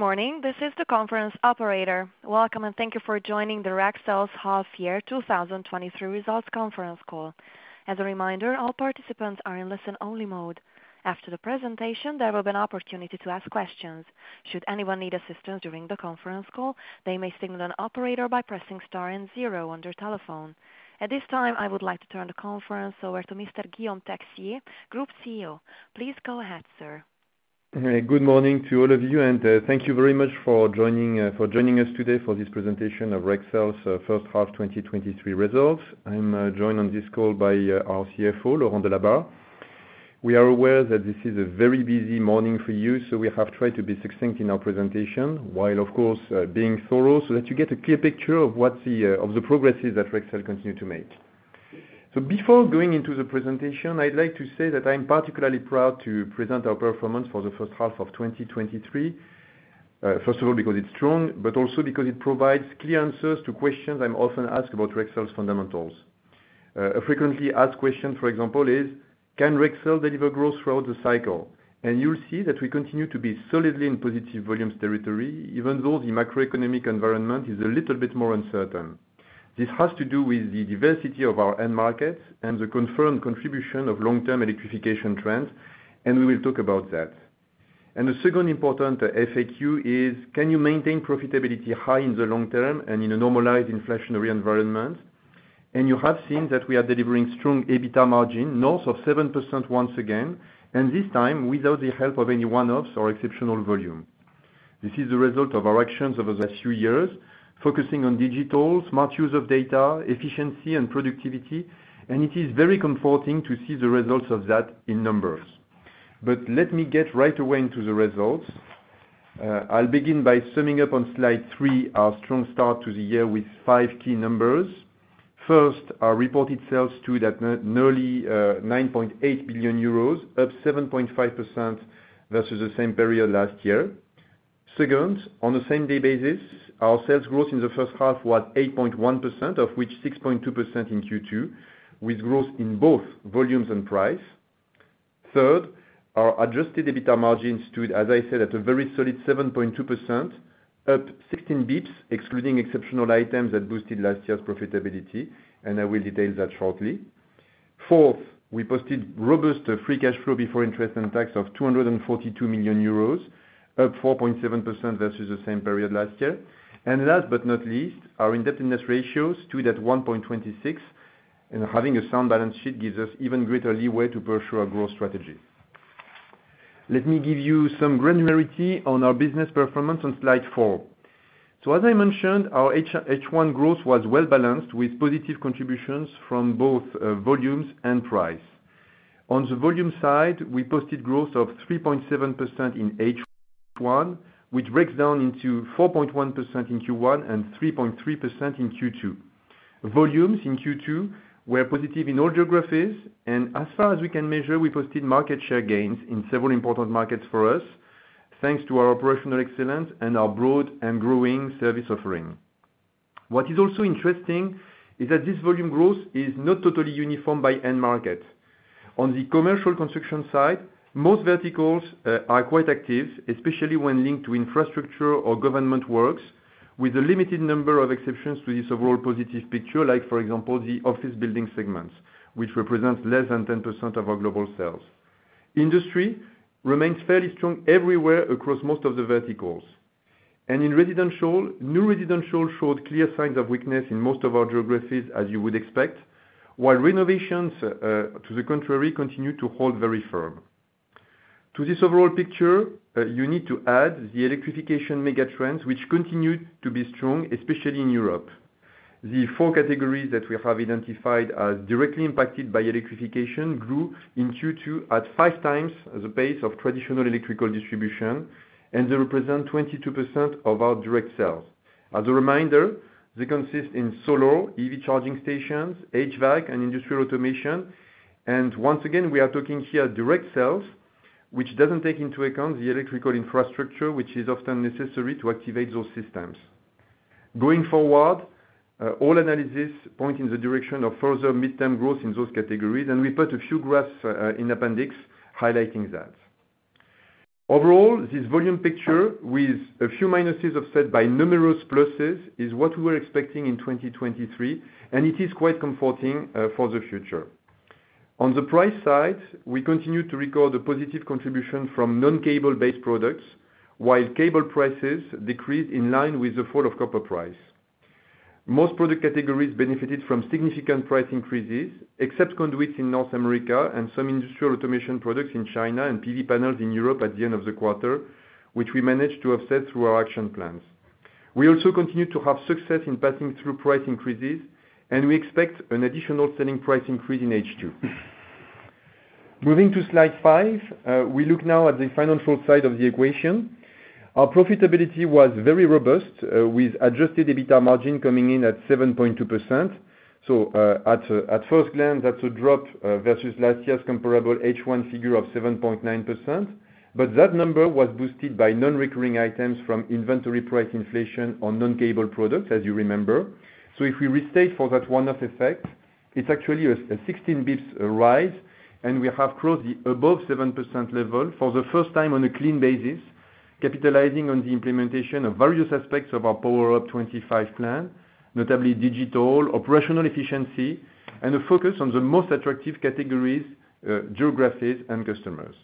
Good morning, this is the conference operator. Welcome, and thank you for joining the Rexel's Half-Year 2023 Results Conference Call. As a reminder, all participants are in listen-only mode. After the presentation, there will be an opportunity to ask questions. Should anyone need assistance during the conference call, they may signal an operator by pressing star and zero on their telephone. At this time, I would like to turn the conference over to Mr. Guillaume Texier, Group CEO. Please go ahead, sir. Good morning to all of you, thank you very much for joining for joining us today for this presentation of Rexel's First Half 2023 results. I'm joined on this call by our CFO, Laurent Delabarre. We are aware that this is a very busy morning for you, we have tried to be succinct in our presentation, while of course, being thorough, so that you get a clear picture of what the of the progresses that Rexel continue to make. Before going into the presentation, I'd like to say that I'm particularly proud to present our performance for the First Half of 2023. First of all, because it's strong, also because it provides clear answers to questions I'm often asked about Rexel's fundamentals. A frequently asked question, for example, is: Can Rexel deliver growth throughout the cycle? You'll see that we continue to be solidly in positive volumes territory, even though the macroeconomic environment is a little bit more uncertain. This has to do with the diversity of our end markets and the confirmed contribution of long-term electrification trends, and we will talk about that. The second important FAQ is: Can you maintain profitability high in the long term and in a normalized inflationary environment? You have seen that we are delivering strong EBITDA margin, north of 7% once again, and this time, without the help of any one-offs or exceptional volume. This is the result of our actions over the last few years, focusing on digital, smart use of data, efficiency and productivity, and it is very comforting to see the results of that in numbers. Let me get right away into the results. I'll begin by summing up on Slide 3, our strong start to the year with 5 key numbers. First, our reported sales stood at nearly 9.8 billion euros, up 7.5% versus the same period last year. Second, on the same-day basis, our sales growth in the first half was 8.1%, of which 6.2% in Q2, with growth in both volumes and price. Third, our adjusted EBITDA margins stood, as I said, at a very solid 7.2%, up 16 bps, excluding exceptional items that boosted last year's profitability, and I will detail that shortly. Fourth, we posted robust free cash flow before interest and tax of 242 million euros, up 4.7% versus the same period last year. Last but not least, our indebtedness ratio stood at 1.26, and having a sound balance sheet gives us even greater leeway to pursue our growth strategy. Let me give you some granularity on our business performance on Slide 4. As I mentioned, our H1 growth was well-balanced, with positive contributions from both volumes and price. On the volume side, we posted growth of 3.7% in H1, which breaks down into 4.1% in Q1 and 3.3% in Q2. Volumes in Q2 were positive in all geographies, and as far as we can measure, we posted market share gains in several important markets for us, thanks to our operational excellence and our broad and growing service offering. What is also interesting is that this volume growth is not totally uniform by end market. On the commercial construction side, most verticals are quite active, especially when linked to infrastructure or government works, with a limited number of exceptions to this overall positive picture, like for example, the office building segments, which represents less than 10% of our global sales. Industry remains fairly strong everywhere across most of the verticals. In residential, new residential showed clear signs of weakness in most of our geographies, as you would expect, while renovations, to the contrary, continue to hold very firm. To this overall picture, you need to add the electrification megatrends, which continued to be strong, especially in Europe. The four categories that we have identified as directly impacted by electrification grew in Q2 at 5 times the pace of traditional electrical distribution, and they represent 22% of our direct sales. As a reminder, they consist in solar, EV charging stations, HVAC, and Industrial Automation. Once again, we are talking here direct sales, which doesn't take into account the electrical infrastructure, which is often necessary to activate those systems. Going forward, all analysis point in the direction of further midterm growth in those categories, we put a few graphs in appendix highlighting that. Overall, this volume picture, with a few minuses offset by numerous pluses, is what we were expecting in 2023, it is quite comforting for the future. On the price side, we continue to record a positive contribution from non-cable products, while cable prices decreased in line with the fall of copper price. Most product categories benefited from significant price increases, except conduits in North America and some industrial automation products in China and PV panels in Europe at the end of the quarter, which we managed to offset through our action plans. We also continued to have success in passing through price increases, and we expect an additional selling price increase in H2. Moving to Slide 5, we look now at the financial side of the equation. Our profitability was very robust, with adjusted EBITA margin coming in at 7.2%. At, at first glance, that's a drop versus last year's comparable H1 figure of 7.9%, but that number was boosted by non-recurring items from inventory price inflation on non-cable products, as you remember. If we restate for that one-off effect-... It's actually a 16 bps rise. We have crossed the above 7% level for the first time on a clean basis, capitalizing on the implementation of various aspects of our PowerUP 2025 plan, notably digital, operational efficiency, and a focus on the most attractive categories, geographies, and customers.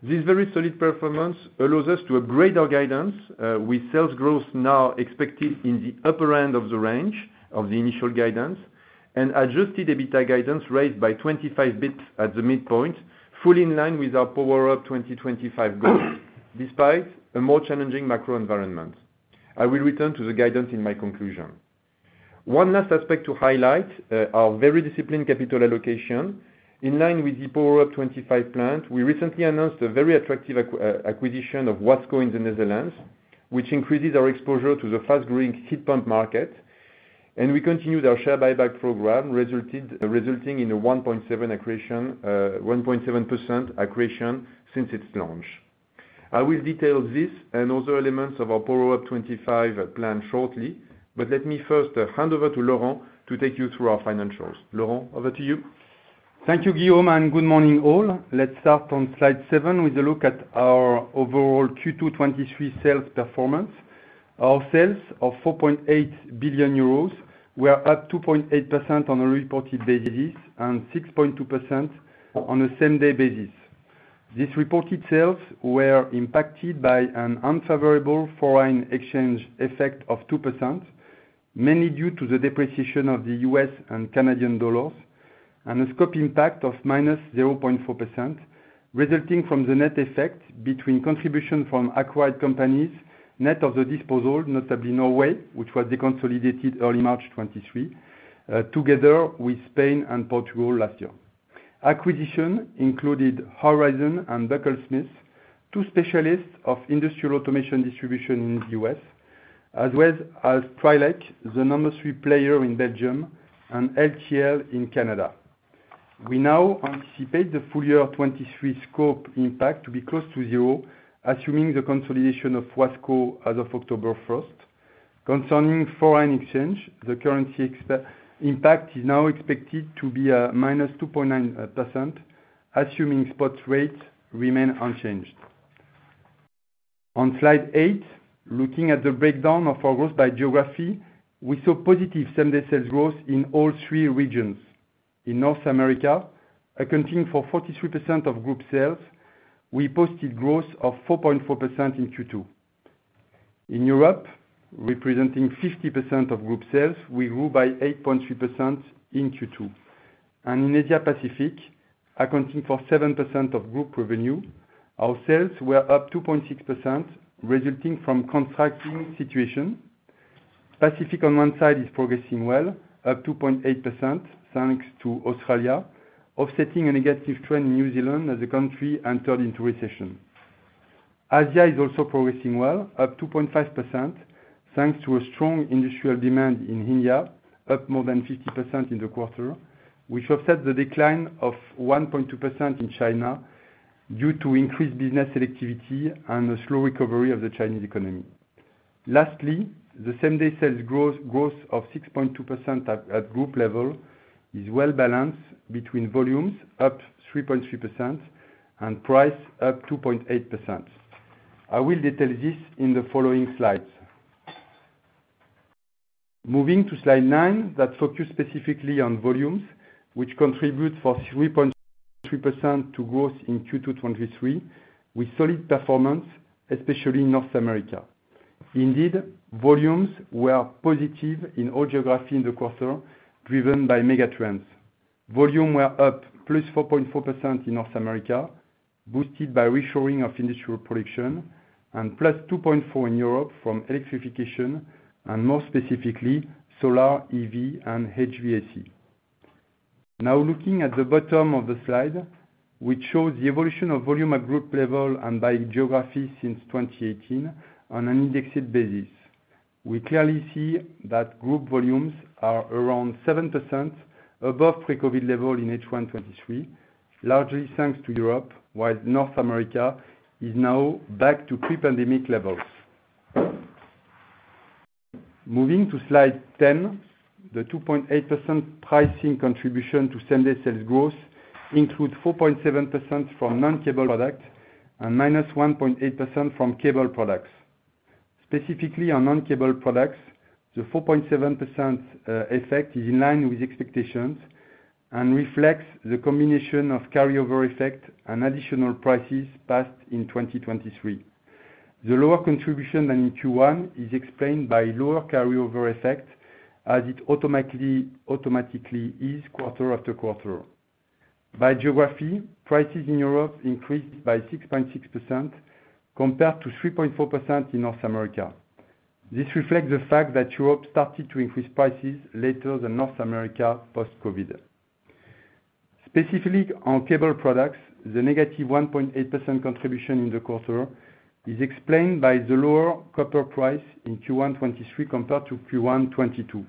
This very solid performance allows us to upgrade our guidance, with sales growth now expected in the upper end of the range of the initial guidance, and adjusted EBITDA guidance raised by 25 bps at the midpoint, fully in line with our PowerUP 2025 goal, despite a more challenging macro environment. I will return to the guidance in my conclusion. One last aspect to highlight, our very disciplined capital allocation. In line with the PowerUP 2025 plan, we recently announced a very attractive acquisition of Wasco in the Netherlands, which increases our exposure to the fast-growing heat pump market. We continued our share buyback program, resulting in a 1.7 accretion, 1.7% accretion since its launch. I will detail this and other elements of our PowerUP 2025 plan shortly, let me first hand over to Laurent to take you through our financials. Laurent, over to you. Thank you, Guillaume, and good morning, all. Let's start on Slide 7 with a look at our overall Q2 2023 sales performance. Our sales of 4.8 billion euros were up 2.8% on a reported basis and 6.2% on a same-day basis. These reported sales were impacted by an unfavorable foreign exchange effect of 2%, mainly due to the depreciation of the U.S. and Canadian dollars, and a scope impact of -0.4%, resulting from the net effect between contribution from acquired companies, net of the disposal, notably Norway, which was deconsolidated early March 2023, together with Spain and Portugal last year. Acquisition included Horizon and Buckle-Smith, two specialists of industrial automation distribution in the U.S., as well as Trilec, the number 3 player in Belgium, and LTL in Canada. We now anticipate the full year 2023 scope impact to be close to zero, assuming the consolidation of Wasco as of October 1st. Concerning foreign exchange, the currency impact is now expected to be -2.9%, assuming spot rates remain unchanged. On Slide 8, looking at the breakdown of our growth by geography, we saw positive same-day sales growth in all three regions. In North America, accounting for 43% of Group sales, we posted growth of 4.4% in Q2. In Europe, representing 50% of Group sales, we grew by 8.3% in Q2. In Asia Pacific, accounting for 7% of Group revenue, our sales were up 2.6%, resulting from contracting situation. Pacific, on one side, is progressing well, up 2.8%, thanks to Australia, offsetting a negative trend in New Zealand as the country entered into recession. Asia is also progressing well, up 2.5%, thanks to a strong industrial demand in India, up more than 50% in the quarter, which offset the decline of 1.2% in China due to increased business selectivity and the slow recovery of the Chinese economy. Lastly, the same-day sales growth, growth of 6.2% at Group level is well-balanced between volumes, up 3.3%, and price, up 2.8%. I will detail this in the following slides. Moving to Slide 9, that focus specifically on volumes, which contribute for 3.3% to growth in Q2 2023, with solid performance, especially in North America. Indeed, volumes were positive in all geography in the quarter, driven by megatrends. Volume were up +4.4% in North America, boosted by reshoring of industrial production, and +2.4 in Europe from electrification, and more specifically, solar, EV, and HVAC. Now, looking at the bottom of the Slide, which shows the evolution of volume at Group level and by geography since 2018 on an indexed basis. We clearly see that Group volumes are around 7% above pre-COVID level in H1 2023, largely thanks to Europe, while North America is now back to pre-pandemic levels. Moving to Slide 10, the 2.8% pricing contribution to same-day sales growth include 4.7% from non-cable product and -1.8% from cable products. Specifically, on non-cable products, the 4.7% effect is in line with expectations and reflects the combination of carryover effect and additional prices passed in 2023. The lower contribution than in Q1 is explained by lower carryover effect, as it automatically is quarter after quarter. By geography, prices in Europe increased by 6.6% compared to 3.4% in North America. This reflects the fact that Europe started to increase prices later than North America post-COVID. Specifically, on cable products, the negative 1.8% contribution in the quarter is explained by the lower copper price in Q1 2023 compared to Q1 2022.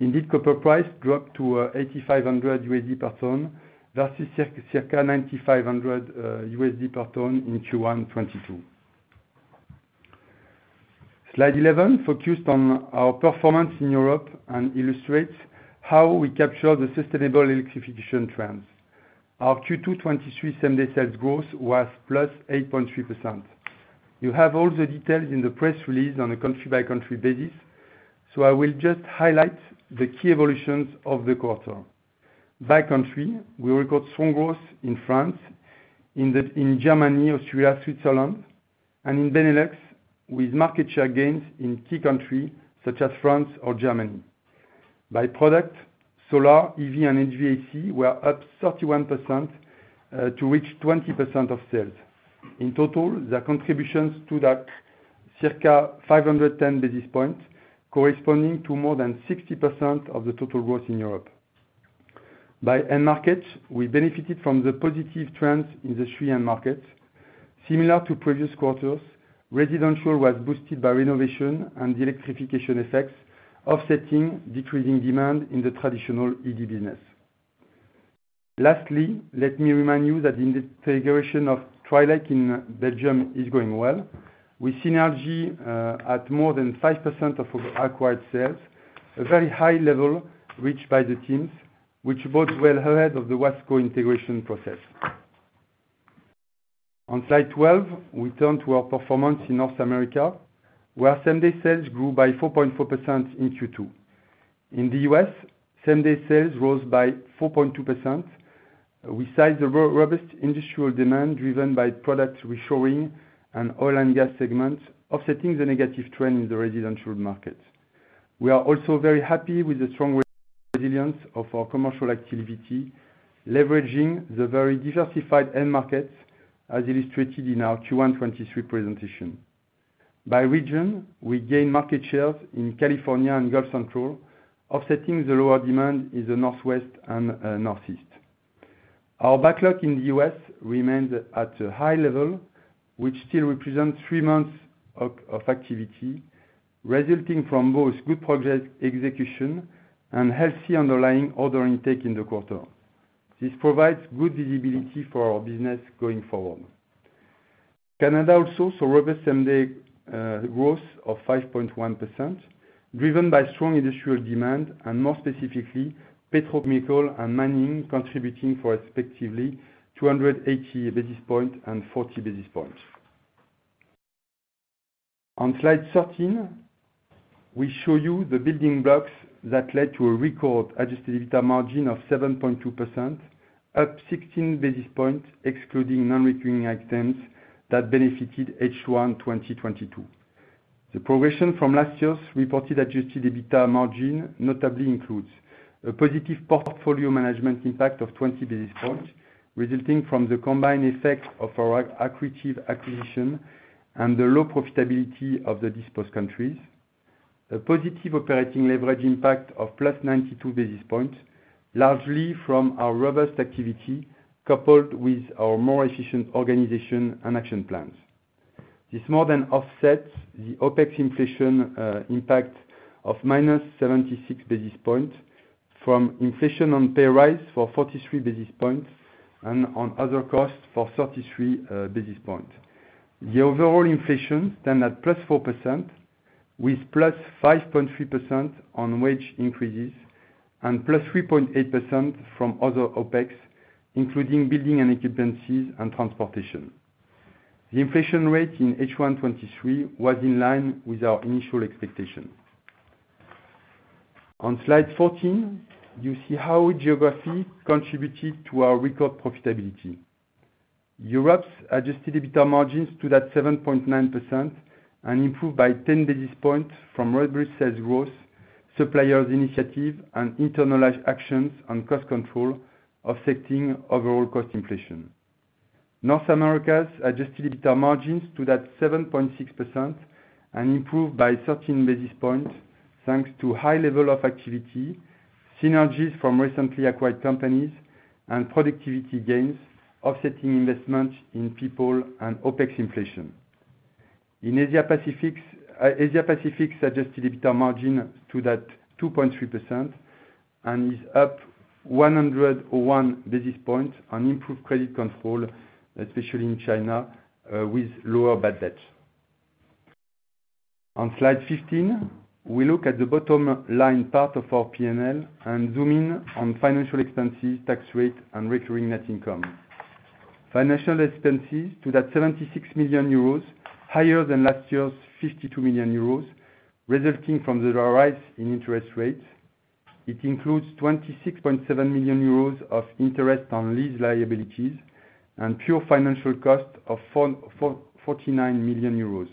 Indeed, copper price dropped to 8,500 USD per ton, versus circa 9,500 USD per ton in Q1 2022. Slide 11 focused on our performance in Europe and illustrates how we capture the sustainable electrification trends. Our Q2 2023 same day sales growth was +8.3%. You have all the details in the press release on a country-by-country basis, I will just highlight the key evolutions of the quarter. By country, we record strong growth in France, in Germany, Austria, Switzerland, and in Benelux, with market share gains in key countries such as France or Germany. By product, solar, EV, and HVAC were up 31% to reach 20% of sales. In total, their contributions to that, circa 510 basis points, corresponding to more than 60% of the total growth in Europe. By end markets, we benefited from the positive trends in the three end markets. Similar to previous quarters, residential was boosted by renovation and electrification effects, offsetting decreasing demand in the traditional ED business. Lastly, let me remind you that the integration of Trilec in Belgium is going well, with synergy at more than 5% of our acquired sales, a very high level reached by the teams, which both well ahead of the Wasco integration process. On Slide 12, we turn to our performance in North America, where same-day sales grew by 4.4% in Q2. In the U.S., same-day sales rose by 4.2%. We saw the robust industrial demand driven by product reshowing and oil and gas segments, offsetting the negative trend in the residential market. We are also very happy with the strong resilience of our commercial activity, leveraging the very diversified end markets, as illustrated in our Q1 2023 presentation. By region, we gain market shares in California and Gulf Central, offsetting the lower demand in the Northwest and Northeast. Our backlog in the U.S. remains at a high level, which still represents 3 months of activity, resulting from both good progress, execution, and healthy underlying order intake in the quarter. Canada also saw robust same-day growth of 5.1%, driven by strong industrial demand, and more specifically, petrochemical and mining, contributing for respectively 280 basis point and 40 basis points. On Slide 13, we show you the building blocks that led to a record adjusted EBITDA margin of 7.2%, up 16 basis points, excluding non-recurring items that benefited H1 2022. The progression from last year's reported adjusted EBITA margin notably includes a positive portfolio management impact of 20 basis points, resulting from the combined effect of our accretive acquisition and the low profitability of the disposed countries. A positive operating leverage impact of plus 92 basis points, largely from our robust activity, coupled with our more efficient organization and action plans. This more than offsets the OpEx inflation impact of minus 76 basis points from inflation on pay rise for 43 basis points and on other costs for 33 basis point. The overall inflation stand at plus 4%, with plus 5.3% on wage increases and plus 3.8% from other OpEx, including building and equipment and transportation. The inflation rate in H1 2023 was in line with our initial expectation. On Slide 14, you see how geography contributed to our record profitability. Europe's adjusted EBITDA margins stood at 7.9% and improved by 10 basis points from robust sales growth, suppliers' initiative, and internalized actions on cost control, offsetting overall cost inflation. North America's adjusted EBITDA margins stood at 7.6% and improved by 13 basis points, thanks to high level of activity, synergies from recently acquired companies, and productivity gains, offsetting investments in people and OpEx inflation. In Asia Pacific's adjusted EBITDA margin stood at 2.3% and is up 101 basis points on improved credit control, especially in China, with lower bad debt. On Slide 15, we look at the bottom line part of our P&L and zoom in on financial expenses, tax rate, and recurring net income. Financial expenses stood at 76 million euros, higher than last year's 52 million euros, resulting from the rise in interest rates. It includes 26.7 million euros of interest on lease liabilities and pure financial costs for 49 million euros.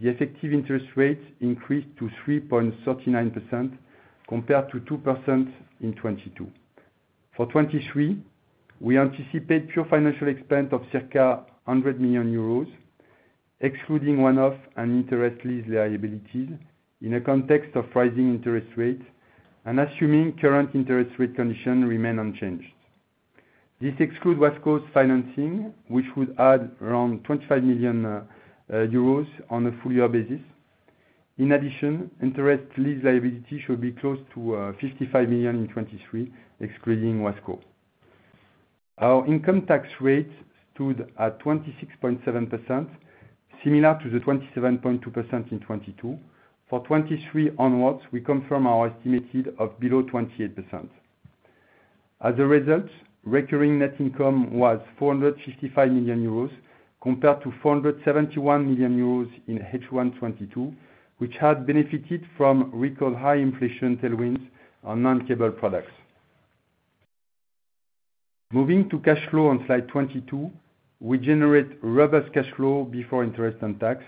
The effective interest rate increased to 3.39% compared to 2% in 2022. For 2023, we anticipate pure financial expense of circa 100 million euros, excluding one-off and interest lease liabilities in a context of rising interest rates and assuming current interest rate conditions remain unchanged. This excludes West Coast financing, which would add around 25 million euros on a full year basis. In addition, interest lease liability should be close to 55 million in 2023, excluding Wasco. Our income tax rate stood at 26.7%, similar to the 27.2% in 2022. For 2023 onwards, we confirm our estimated of below 28%. As a result, recurring net income was 455 million euros, compared to 471 million euros in H1 2022, which had benefited from record high inflation tailwinds on non-cable products. Moving to cash flow on Slide 22, we generate robust cash flow before interest and tax,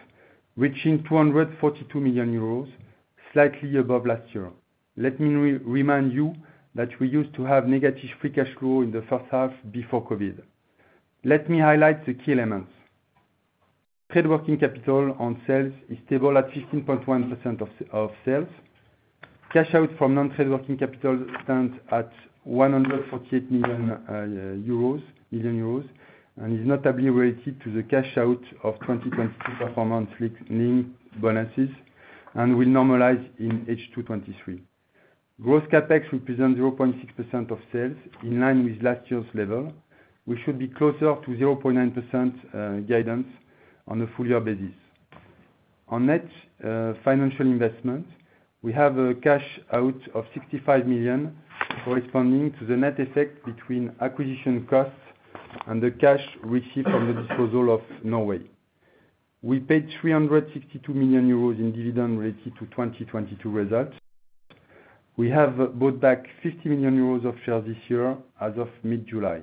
reaching 242 million euros, slightly above last year. Let me remind you that we used to have negative free cash flow in the first half before COVID. Let me highlight the key elements. Trade working capital on sales is stable at 15.1% of sales. Cash out from non-trade working capital stands at 148 million euros, and is notably related to the cash out of 2022 performance linked bonuses, and will normalize in H2 2023. Gross CapEx represents 0.6% of sales, in line with last year's level, which should be closer to 0.9% guidance on a full year basis. On net financial investment, we have a cash out of 65 million, corresponding to the net effect between acquisition costs and the cash received from the disposal of Norway. We paid 362 million euros in dividend related to 2022 results. We have bought back 50 million euros of shares this year as of mid-July.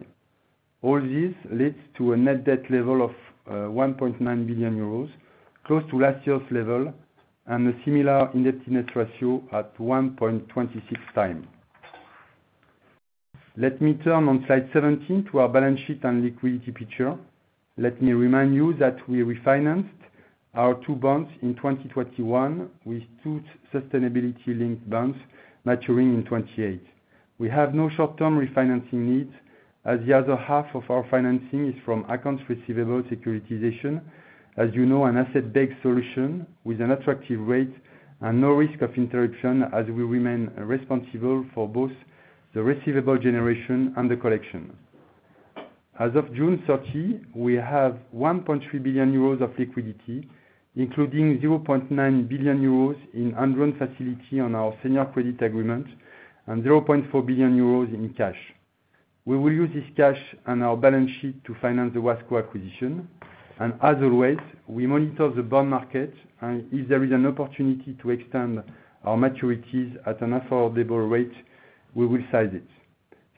All this leads to a net debt level of 1.9 billion euros, close to last year's level, and a similar indebtedness ratio at 1.26x. Let me turn on Slide 17 to our balance sheet and liquidity picture. Let me remind you that we refinanced our 2 bonds in 2021, with 2 sustainability-linked bonds maturing in 2028. We have no short-term refinancing needs, as the other half of our financing is from accounts receivable securitization. As you know, an asset-based solution with an attractive rate and no risk of interruption, as we remain responsible for both the receivable generation and the collection. As of June 30, we have 1.3 billion euros of liquidity, including 0.9 billion euros in undrawn facility on our senior credit agreement and 0.4 billion euros in cash. We will use this cash on our balance sheet to finance the Wasco acquisition, and as always, we monitor the bond market, and if there is an opportunity to extend our maturities at an affordable rate, we will size it.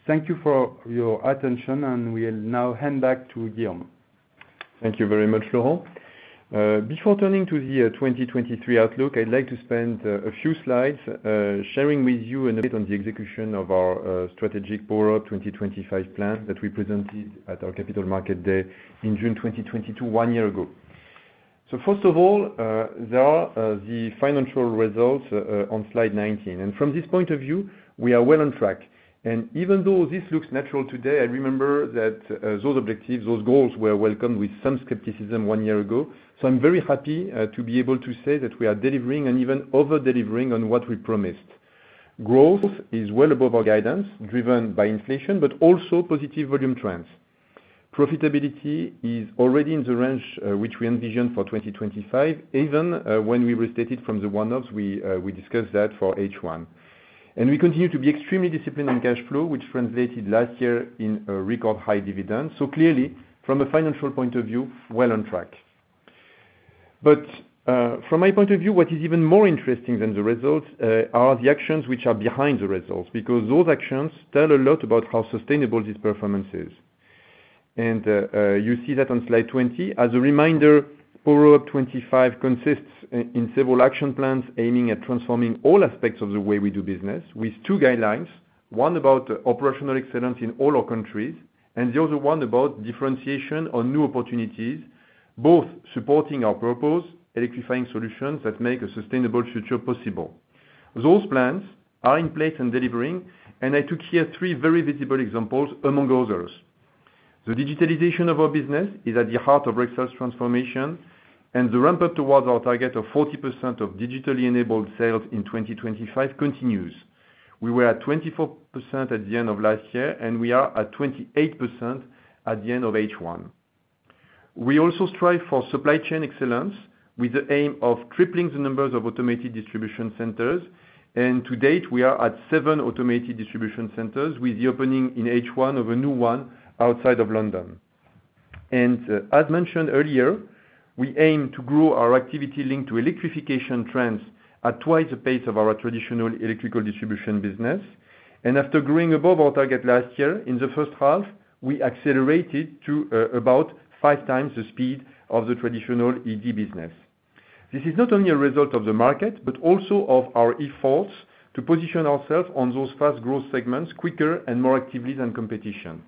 Thank you for your attention, and we'll now hand back to Guillaume. Thank you very much, Laurent. Before turning to the 2023 outlook, I'd like to spend a few slides sharing with you an update on the execution of our strategic PowerUP 2025 plan that we presented at our Capital Market Day in June 2022, 1 year ago. First of all, there are the financial results on Slide 19. From this point of view, we are well on track. Even though this looks natural today, I remember that those objectives, those goals, were welcomed with some skepticism 1 year ago. I'm very happy to be able to say that we are delivering and even over-delivering on what we promised. Growth is well above our guidance, driven by inflation, but also positive volume trends. Profitability is already in the range, which we envisioned for 2025, even when we restated from the one-offs, we discussed that for H1. We continue to be extremely disciplined in cash flow, which translated last year in a record high dividend. Clearly, from a financial point of view, well on track. From my point of view, what is even more interesting than the results, are the actions which are behind the results, because those actions tell a lot about how sustainable this performance is. You see that on Slide 20. As a reminder, PowerUP 2025 consists in several action plans aiming at transforming all aspects of the way we do business, with two guidelines, one about operational excellence in all our countries, and the other one about differentiation on new opportunities, both supporting our purpose, electrifying solutions that make a sustainable future possible. Those plans are in place and delivering. I took here three very visible examples, among others. The digitalization of our business is at the heart of Rexel's transformation, and the ramp-up towards our target of 40% of digitally enabled sales in 2025 continues. We were at 24% at the end of last year. We are at 28% at the end of H1. We also strive for supply chain excellence, with the aim of tripling the numbers of automated distribution centers. To date, we are at 7 automated distribution centers, with the opening in H1 of a new one outside of London. As mentioned earlier, we aim to grow our activity linked to electrification trends at twice the pace of our traditional electrical distribution business. After growing above our target last year, in the first half, we accelerated to about 5 times the speed of the traditional ED business. This is not only a result of the market, but also of our efforts to position ourselves on those fast growth segments quicker and more actively than competition.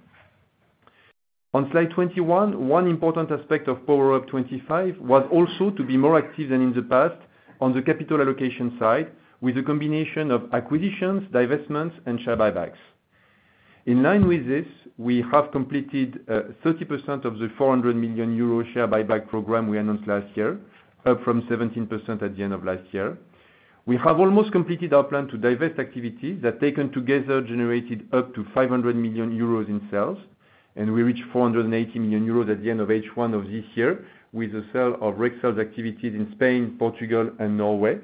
On Slide 21, one important aspect of PowerUP 2025 was also to be more active than in the past on the capital allocation side, with a combination of acquisitions, divestments, and share buybacks. In line with this, we have completed 30% of the 400 million euro share buyback program we announced last year, up from 17% at the end of last year. We have almost completed our plan to divest activities that taken together generated up to 500 million euros in sales. We reached 480 million euros at the end of H1 of this year, with the sale of Rexel's activities in Spain, Portugal and Norway.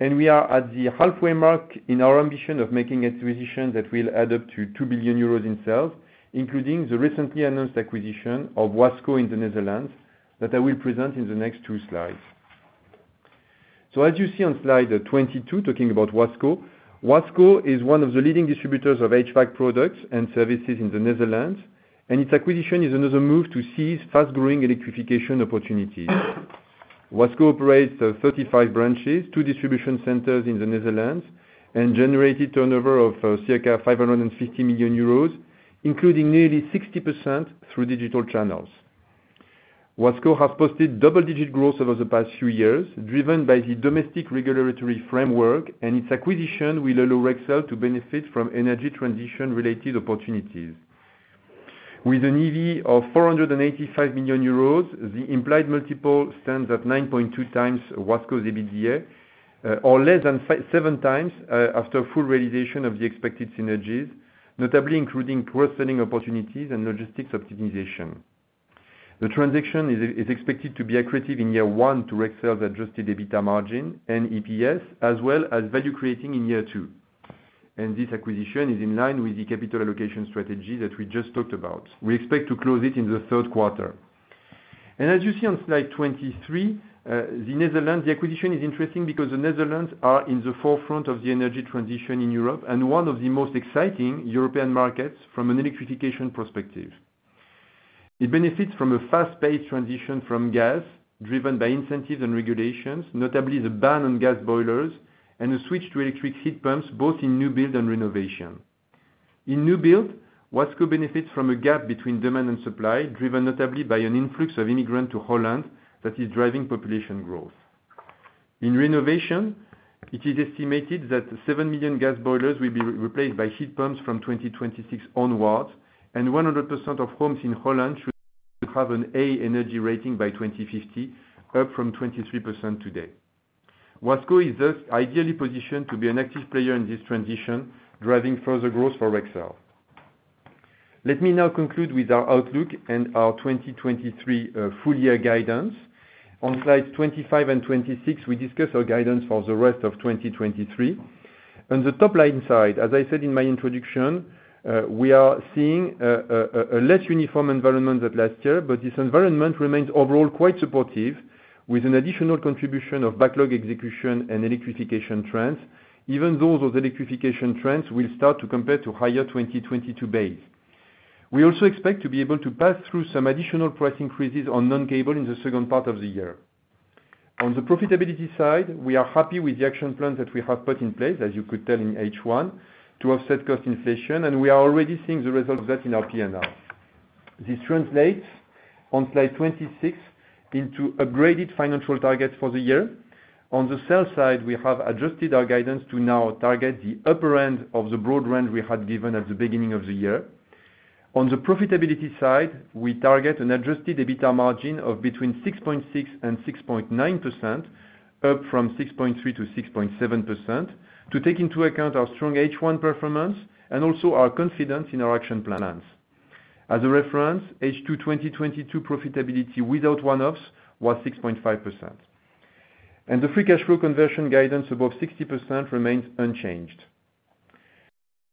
We are at the halfway mark in our ambition of making acquisitions that will add up to 2 billion euros in sales, including the recently announced acquisition of Wasco in the Netherlands, that I will present in the next 2 slides. As you see on Slide 22, talking about Wasco. Wasco is one of the leading distributors of HVAC products and services in the Netherlands, and its acquisition is another move to seize fast-growing electrification opportunities. Wasco operates 35 branches, two distribution centers in the Netherlands, and generated turnover of circa 550 million euros, including nearly 60% through digital channels. Wasco has posted double-digit growth over the past few years, driven by the domestic regulatory framework, and its acquisition will allow Rexel to benefit from energy transition-related opportunities. With an EV of 485 million euros, the implied multiple stands at 9.2x Wasco's EBITDA, or less than 7x, after full realization of the expected synergies, notably including cross-selling opportunities and logistics optimization. The transaction is, is expected to be accretive in year one to Rexel's adjusted EBITDA margin and EPS, as well as value creating in year two, and this acquisition is in line with the capital allocation strategy that we just talked about. We expect to close it in the third quarter. As you see on Slide 23, the Netherlands, the acquisition is interesting because the Netherlands are in the forefront of the energy transition in Europe and one of the most exciting European markets from an electrification perspective. It benefits from a fast-paced transition from gas, driven by incentives and regulations, notably the ban on gas boilers and a switch to electric heat pumps, both in new build and renovation. In new build, Wasco benefits from a gap between demand and supply, driven notably by an influx of immigrants to Holland that is driving population growth. In renovation, it is estimated that 7 million gas boilers will be re-replaced by heat pumps from 2026 onwards, and 100% of homes in Holland should have an A energy rating by 2050, up from 23% today. Wasco is thus ideally positioned to be an active player in this transition, driving further growth for Rexel. Let me now conclude with our outlook and our 2023 full year guidance. On Slide 25 and Slide 26, we discuss our guidance for the rest of 2023. On the top line side, as I said in my introduction, we are seeing a less uniform environment than last year, but this environment remains overall quite supportive, with an additional contribution of backlog execution and electrification trends, even those of the electrification trends will start to compare to higher 2022 base. We also expect to be able to pass through some additional price increases on non-cable in the second part of the year. On the profitability side, we are happy with the action plan that we have put in place, as you could tell in H1, to offset cost inflation, and we are already seeing the results of that in our P&L. This translates on Slide 26 into upgraded financial targets for the year. On the sales side, we have adjusted our guidance to now target the upper end of the broad range we had given at the beginning of the year. On the profitability side, we target an adjusted EBITDA margin of between 6.6% and 6.9%, up from 6.3% to 6.7%, to take into account our strong H1 performance and also our confidence in our action plans. As a reference, H2 2022 profitability without one-offs was 6.5%, and the free cash flow conversion guidance above 60% remains unchanged.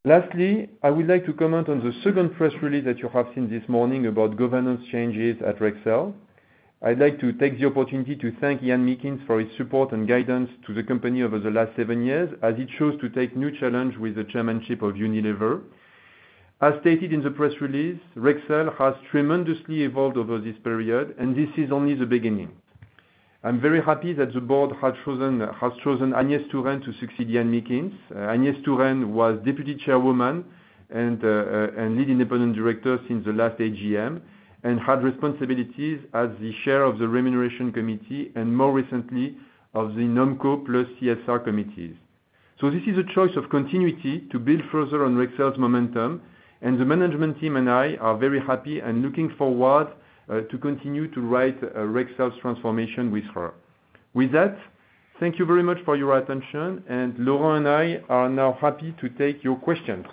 Lastly, I would like to comment on the second press release that you have seen this morning about governance changes at Rexel. I'd like to take the opportunity to thank Ian Meakins for his support and guidance to the company over the last 7 years, as he chose to take new challenge with the chairmanship of Unilever. As stated in the press release, Rexel has tremendously evolved over this period. This is only the beginning. I'm very happy that the Board has chosen Agnès Touraine to succeed Ian Meakins. Agnès Touraine was deputy chairwoman and lead independent director since the last AGM, and had responsibilities as the chair of the Remuneration Committee, and more recently, of the Nomco plus CSR committees. This is a choice of continuity to build further on Rexel's momentum, and the management team and I are very happy and looking forward to continue to write Rexel's transformation with her. With that, thank you very much for your attention, and Laurent and I are now happy to take your questions.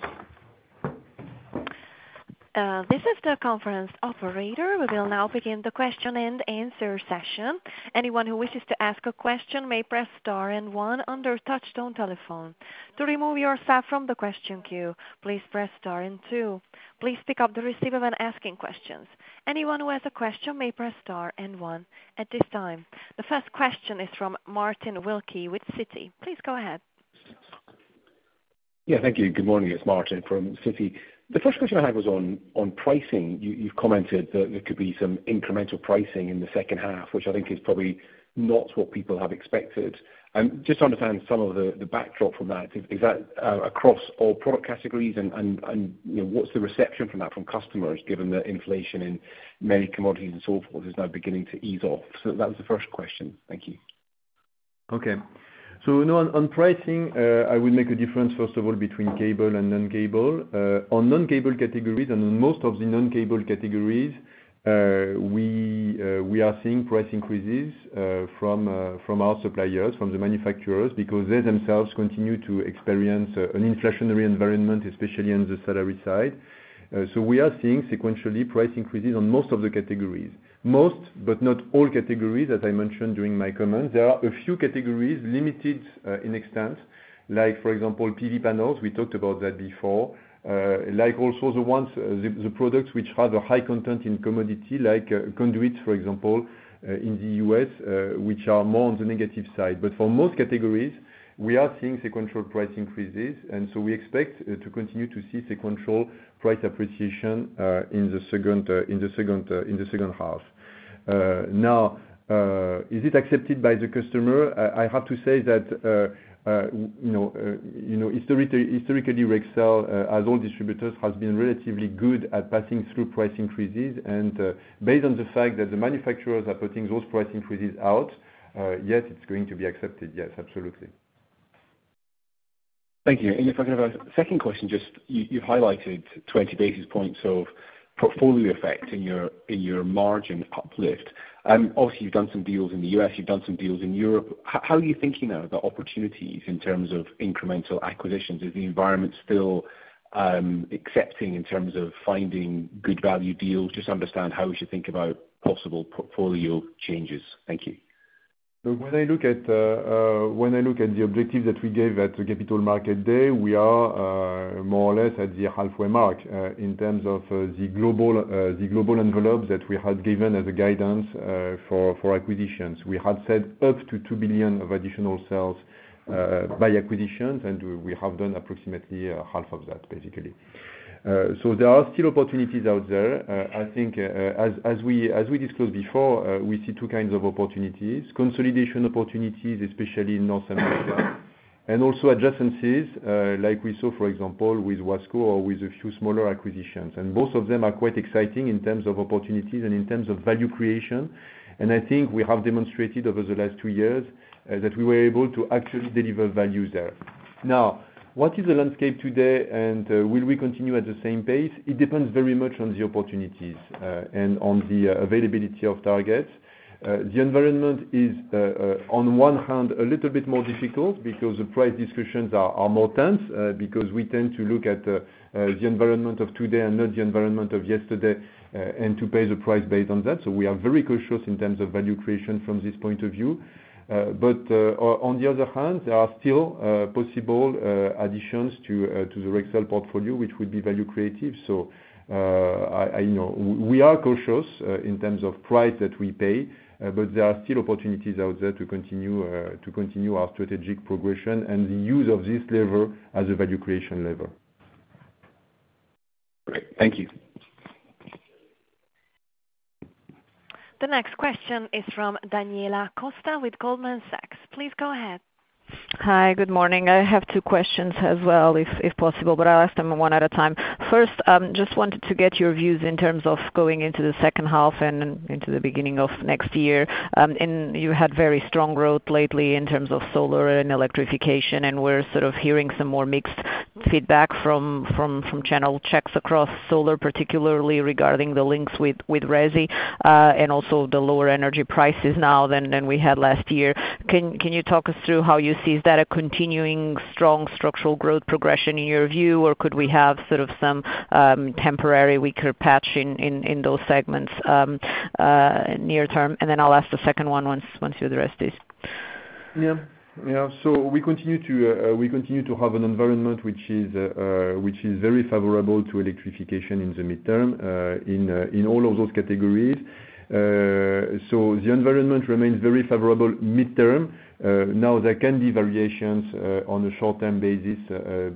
This is the conference operator. We will now begin the question-and-answer session. Anyone who wishes to ask a question may press star and one on their touchtone telephone. To remove yourself from the question queue, please press star and two. Please pick up the receiver when asking questions. Anyone who has a question may press star and one. At this time, the first question is from Martin Wilkie with Citi. Please go ahead. Yeah, thank you. Good morning, it's Martin from Citi. The first question I had was on pricing. You've commented that there could be some incremental pricing in the second half, which I think is probably not what people have expected. Just to understand some of the backdrop from that, is that across all product categories? You know, what's the reception from that from customers, given that inflation in many commodities and so forth is now beginning to ease off? That was the first question. Thank you. Okay. You know, on pricing, I will make a difference, first of all, between cable and non-cable. On non-cable categories and on most of the non-cable categories, we are seeing price increases from our suppliers, from the manufacturers, because they themselves continue to experience an inflationary environment, especially on the salary side. We are seeing sequentially price increases on most of the categories. Most, but not all categories, as I mentioned during my comments. There are a few categories, limited in extent, like, for example, PV panels, we talked about that before. Like also the products which have a high content in commodity, like conduits, for example, in the US, which are more on the negative side. For most categories, we are seeing sequential price increases, so we expect to continue to see sequential price appreciation in the second half. Now, is it accepted by the customer? I have to say that, you know, you know, historically, Rexel, as all distributors, has been relatively good at passing through price increases. Based on the fact that the manufacturers are putting those price increases out, yes, it's going to be accepted. Yes, absolutely. Thank you. If I can have a second question. Just, you've highlighted 20 basis points of portfolio effect in your margin uplift. Obviously, you've done some deals in the U.S., you've done some deals in Europe. How are you thinking now about opportunities in terms of incremental acquisitions? Is the environment still accepting in terms of finding good value deals? Just understand how we should think about possible portfolio changes. Thank you. When I look at, when I look at the objective that we gave at the Capital Market Day, we are more or less at the halfway mark in terms of the global the global envelope that we had given as a guidance for for acquisitions. We had said up to 2 billion of additional sales by acquisitions, and we have done approximately EUR 1 billion, basically. There are still opportunities out there. I think, as, as we, as we discussed before, we see two kinds of opportunities: consolidation opportunities, especially in North America, and also adjacencies, like we saw, for example, with Wasco or with a few smaller acquisitions. Both of them are quite exciting in terms of opportunities and in terms of value creation. I think we have demonstrated over the last two years that we were able to actually deliver value there. Now, what is the landscape today, and will we continue at the same pace? It depends very much on the opportunities and on the availability of targets. The environment is, on one hand, a little bit more difficult because the price discussions are more tense, because we tend to look at the environment of today and not the environment of yesterday, and to pay the price based on that. We are very cautious in terms of value creation from this point of view. On the other hand, there are still possible additions to the Rexel portfolio, which would be value creative. I, you know, we are cautious, in terms of price that we pay, but there are still opportunities out there to continue, to continue our strategic progression and the use of this lever as a value creation lever. Great. Thank you. The next question is from Daniela Costa with Goldman Sachs. Please go ahead. Hi, good morning. I have two questions as well, if, if possible, but I'll ask them one at a time. First, just wanted to get your views in terms of going into the second half and then into the beginning of next year. You had very strong growth lately in terms of solar and electrification, and we're sort of hearing some more mixed feedback from, from, from channel checks across solar, particularly regarding the links with, with RESI, and also the lower energy prices now than, than we had last year. Can you talk us through how you see? Is that a continuing strong structural growth progression in your view, or could we have sort of some temporary weaker patch in, in, in those segments near term? Then I'll ask the second one once, once you address this. Yeah. Yeah. We continue to, we continue to have an environment which is very favorable to electrification in the midterm, in all of those categories. The environment remains very favorable midterm. Now, there can be variations on a short-term basis,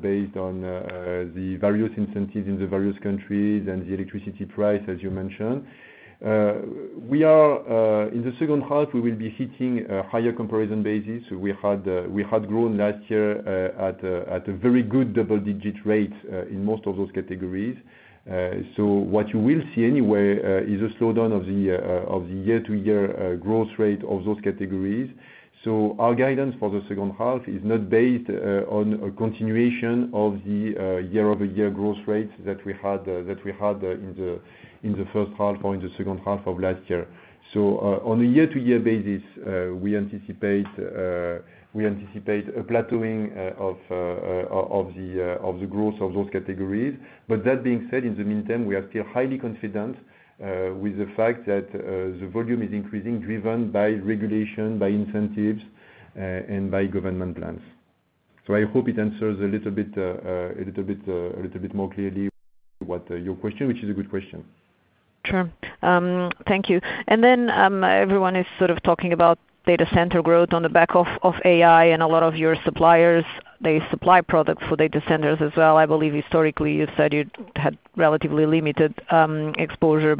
based on the various instances in the various countries and the electricity price, as you mentioned. We are in the second half, we will be hitting a higher comparison basis. We had, we had grown last year at a very good double-digit rate in most of those categories. What you will see anyway, is a slowdown of the year-to-year growth rate of those categories. Our guidance for the second half is not based on a continuation of the year-over-year growth rates that we had that we had in the in the first half or in the second half of last year. On a year-to-year basis, we anticipate we anticipate a plateauing of of the of the growth of those categories. That being said, in the meantime, we are still highly confident with the fact that the volume is increasing, driven by regulation, by incentives, and by government plans. I hope it answers a little bit a little bit a little bit more clearly what your question, which is a good question. Sure. Thank you. Everyone is sort of talking about data center growth on the back of, of AI and a lot of your suppliers, they supply products for data centers as well. I believe historically you said you had relatively limited exposure.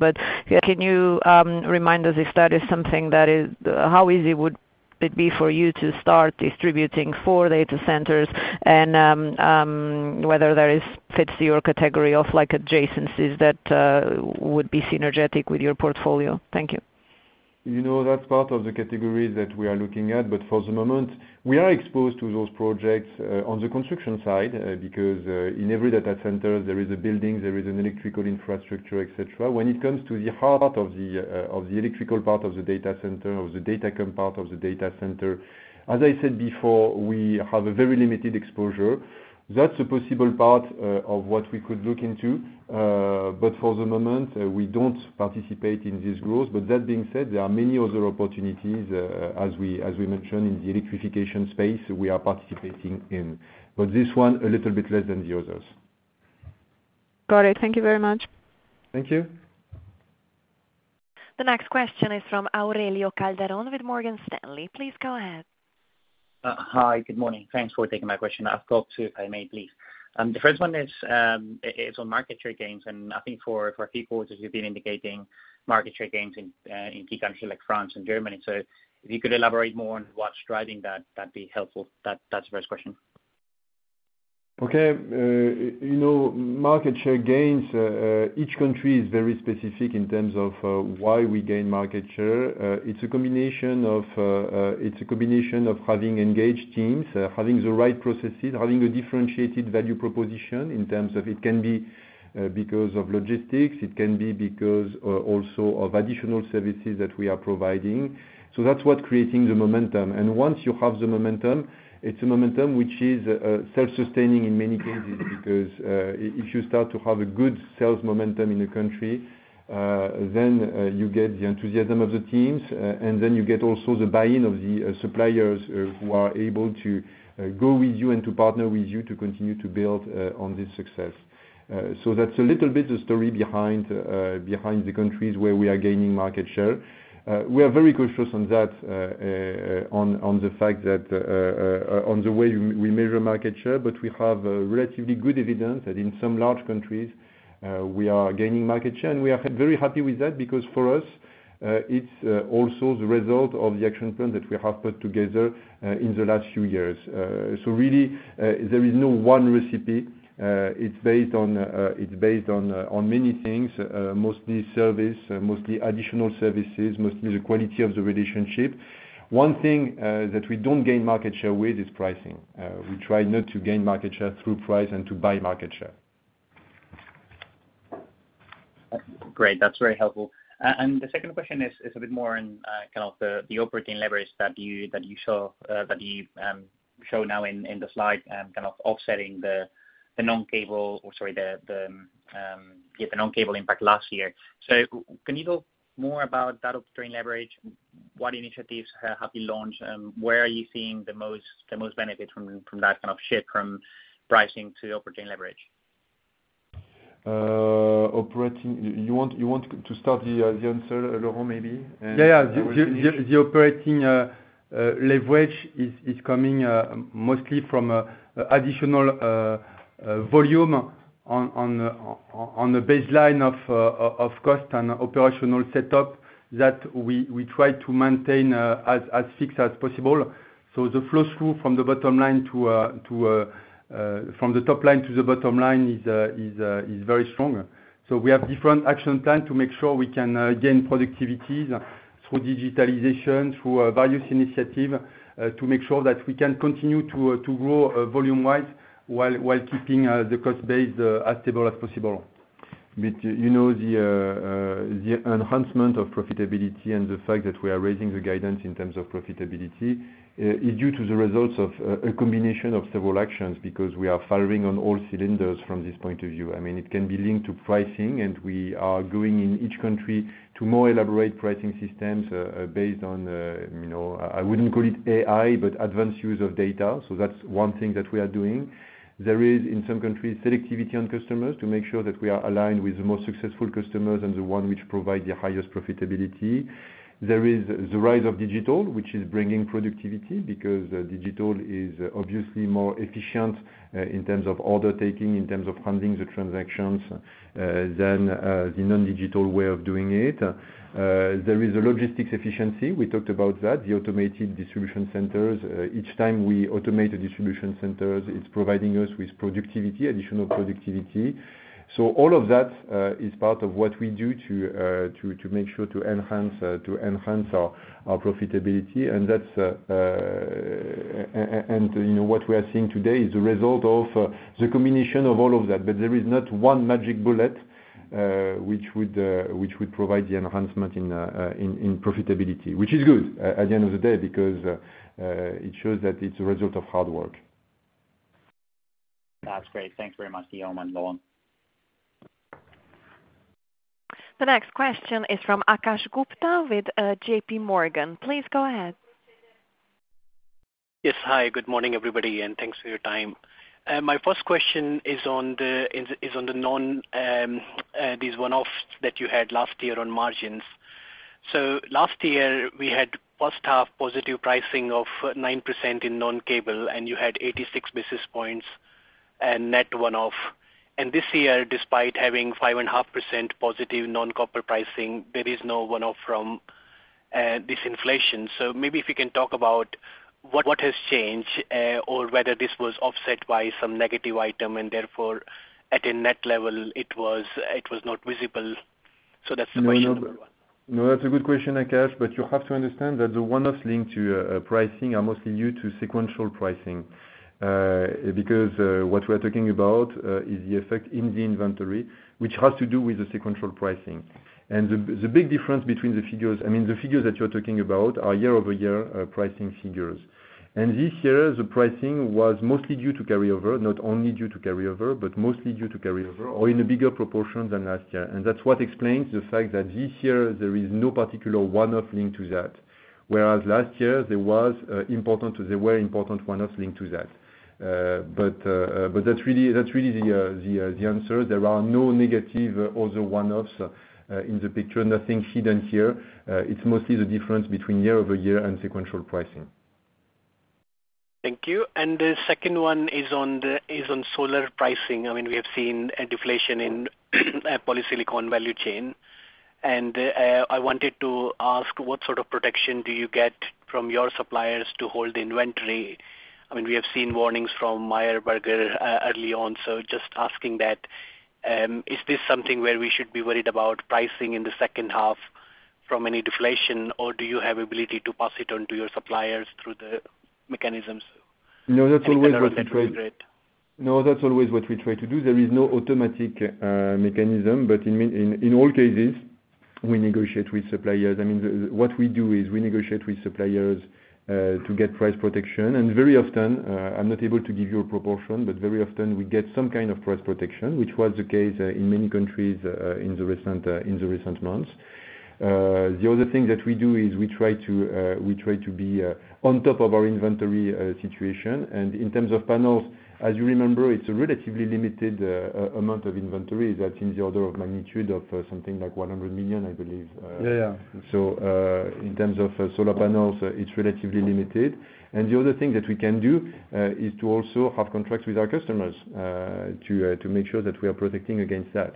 Can you remind us if that is something that is... How easy would it be for you to start distributing for data centers and whether that is fits your category of, like, adjacencies that would be synergetic with your portfolio? Thank you. ... You know, that's part of the category that we are looking at. For the moment, we are exposed to those projects on the construction side, because in every data center, there is a building, there is an electrical infrastructure, et cetera. When it comes to the heart of the electrical part of the data center, of the Datacom part of the data center, as I said before, we have a very limited exposure. That's a possible part of what we could look into. For the moment, we don't participate in this growth. That being said, there are many other opportunities, as we, as we mentioned in the electrification space, we are participating in, but this one a little bit less than the others. Got it. Thank you very much. Thank you. The next question is from Aurelio Calderon with Morgan Stanley. Please go ahead. Hi, good morning. Thanks for taking my question. I've got two, if I may, please. The first one is on market share gains, and I think for, for people, as you've been indicating market share gains in key countries like France and Germany. If you could elaborate more on what's driving that, that'd be helpful. That, that's the first question. Okay. you know, market share gains, each country is very specific in terms of why we gain market share. It's a combination of, it's a combination of having engaged teams, having the right processes, having a differentiated value proposition in terms of it can be because of logistics, it can be because also of additional services that we are providing. That's what creating the momentum. Once you have the momentum, it's a momentum which is self-sustaining in many cases, because if you start to have a good sales momentum in a country, then you get the enthusiasm of the teams, and then you get also the buy-in of the suppliers, who are able to go with you and to partner with you to continue to build on this success. That's a little bit the story behind behind the countries where we are gaining market share. We are very cautious on that on the fact that on the way we measure market share, but we have a relatively good evidence that in some large countries, we are gaining market share. We are very happy with that because for us, it's also the result of the action plan that we have put together in the last few years. Really, there is no one recipe. It's based on, it's based on, on many things, mostly service, mostly additional services, mostly the quality of the relationship. One thing that we don't gain market share with is pricing. We try not to gain market share through price and to buy market share. Great. That's very helpful. The second question is, is a bit more on, kind of the, the operating leverage that you, that you saw, that you show now in, in the slide and kind of offsetting the, the non-cable, or sorry, the, the, yeah, the non-cable impact last year. Can you go more about that operating leverage? What initiatives have you launched, and where are you seeing the most, the most benefit from, from that kind of shift, from pricing to operating leverage? Operating-- you want, you want to start the answer, Laurent, maybe? Yeah, yeah. The, the, the operating leverage is, is coming mostly from additional volume on, on, on, on the baseline of cost and operational setup that we, we try to maintain as, as fixed as possible. The flow through from the bottom line to, to, from the top line to the bottom line is, is, is very strong. We have different action plan to make sure we can gain productivities through digitalization, through various initiative, to make sure that we can continue to grow volume-wise, while, while keeping the cost base as stable as possible. You know, the, the enhancement of profitability and the fact that we are raising the guidance in terms of profitability, is due to the results of a combination of several actions, because we are following on all cylinders from this point of view. I mean, it can be linked to pricing, and we are going in each country to more elaborate pricing systems, based on, you know, I wouldn't call it AI, but advanced use of data. That's one thing that we are doing. There is, in some countries, selectivity on customers to make sure that we are aligned with the most successful customers and the one which provide the highest profitability. There is the rise of digital, which is bringing productivity, because digital is obviously more efficient, in terms of order taking, in terms of handling the transactions, than the non-digital way of doing it. There is a logistics efficiency. We talked about that, the automated distribution centers. Each time we automate the distribution centers, it's providing us with productivity, additional productivity. All of that is part of what we do to make sure to enhance our profitability. That's, you know, what we are seeing today is the result of the combination of all of that, but there is not one magic bullet, which would provide the enhancement in profitability. Which is good, at the end of the day, because, it shows that it's a result of hard work. That's great. Thanks very much, Guillaume and Laurent. The next question is from Akash Gupta with, JPMorgan. Please go ahead. Yes. Hi, good morning, everybody, and thanks for your time. My first question is on the, is on the non, these one-offs that you had last year on margins. Last year, we had first half positive pricing of 9% in non-cable, and you had 86 basis points and net one-off. This year, despite having 5.5% positive non-copper pricing, there is no one-off from this inflation. Maybe if you can talk about what has changed or whether this was offset by some negative item, and therefore, at a net level, it was not visible? That's the question. No, that's a good question, Akash, but you have to understand that the one-offs linked to pricing are mostly new to sequential pricing. Because what we're talking about is the effect in the inventory, which has to do with the sequential pricing. The big difference between the figures. I mean, the figures that you're talking about are year-over-year pricing figures. This year, the pricing was mostly due to carryover, not only due to carryover, but mostly due to carryover, or in a bigger proportion than last year. That's what explains the fact that this year there is no particular one-off linked to that, whereas last year there was important. There were important one-offs linked to that. But that's really, that's really the answer. There are no negative other one-offs in the picture, nothing hidden here. It's mostly the difference between year-over-year and sequential pricing. Thank you. The second one is on solar pricing. I mean, we have seen a deflation in polysilicon value chain. I wanted to ask, what sort of protection do you get from your suppliers to hold the inventory? I mean, we have seen warnings from Meyer Burger early on, so just asking that. Is this something where we should be worried about pricing in the second half from any deflation, or do you have ability to pass it on to your suppliers through the mechanisms? No, that's always what we try to do. There is no automatic mechanism, but in all cases, we negotiate with suppliers. I mean, the, what we do is we negotiate with suppliers to get price protection. Very often, I'm not able to give you a proportion, but very often we get some kind of price protection, which was the case in many countries in the recent months. The other thing that we do is we try to, we try to be on top of our inventory situation. In terms of panels, as you remember, it's a relatively limited amount of inventory that's in the order of magnitude of something like 100 million, I believe. Yeah, yeah. In terms of solar panels, it's relatively limited. The other thing that we can do is to also have contracts with our customers to make sure that we are protecting against that.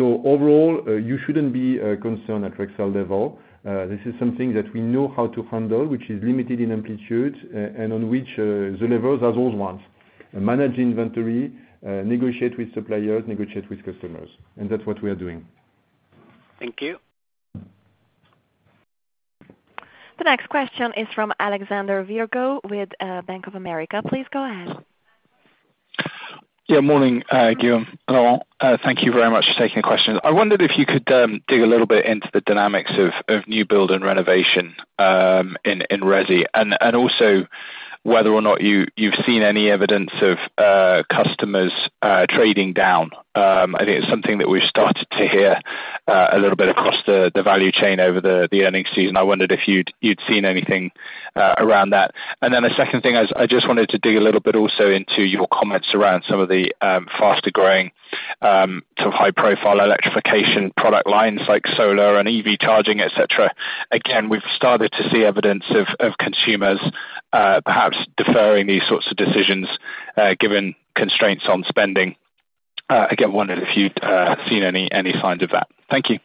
Overall, you shouldn't be concerned at Rexel level. This is something that we know how to handle, which is limited in amplitude, and on which the levels are old ones. Manage inventory, negotiate with suppliers, negotiate with customers, and that's what we are doing. Thank you. The next question is from Alexander Virgo with Bank of America. Please go ahead. Yeah, morning, Guillaume, Laurent. Thank you very much for taking the question. I wondered if you could dig a little bit into the dynamics of new build and renovation in resi, and also whether or not you've seen any evidence of customers trading down. I think it's something that we've started to hear a little bit across the value chain over the earnings season. I wondered if you'd seen anything around that. The second thing, I just wanted to dig a little bit also into your comments around some of the faster growing sort of high profile electrification product lines like solar and EV charging, et cetera. Again, we've started to see evidence of consumers perhaps deferring these sorts of decisions given constraints on spending. Again, wondered if you'd seen any, any sign of that. Thank you.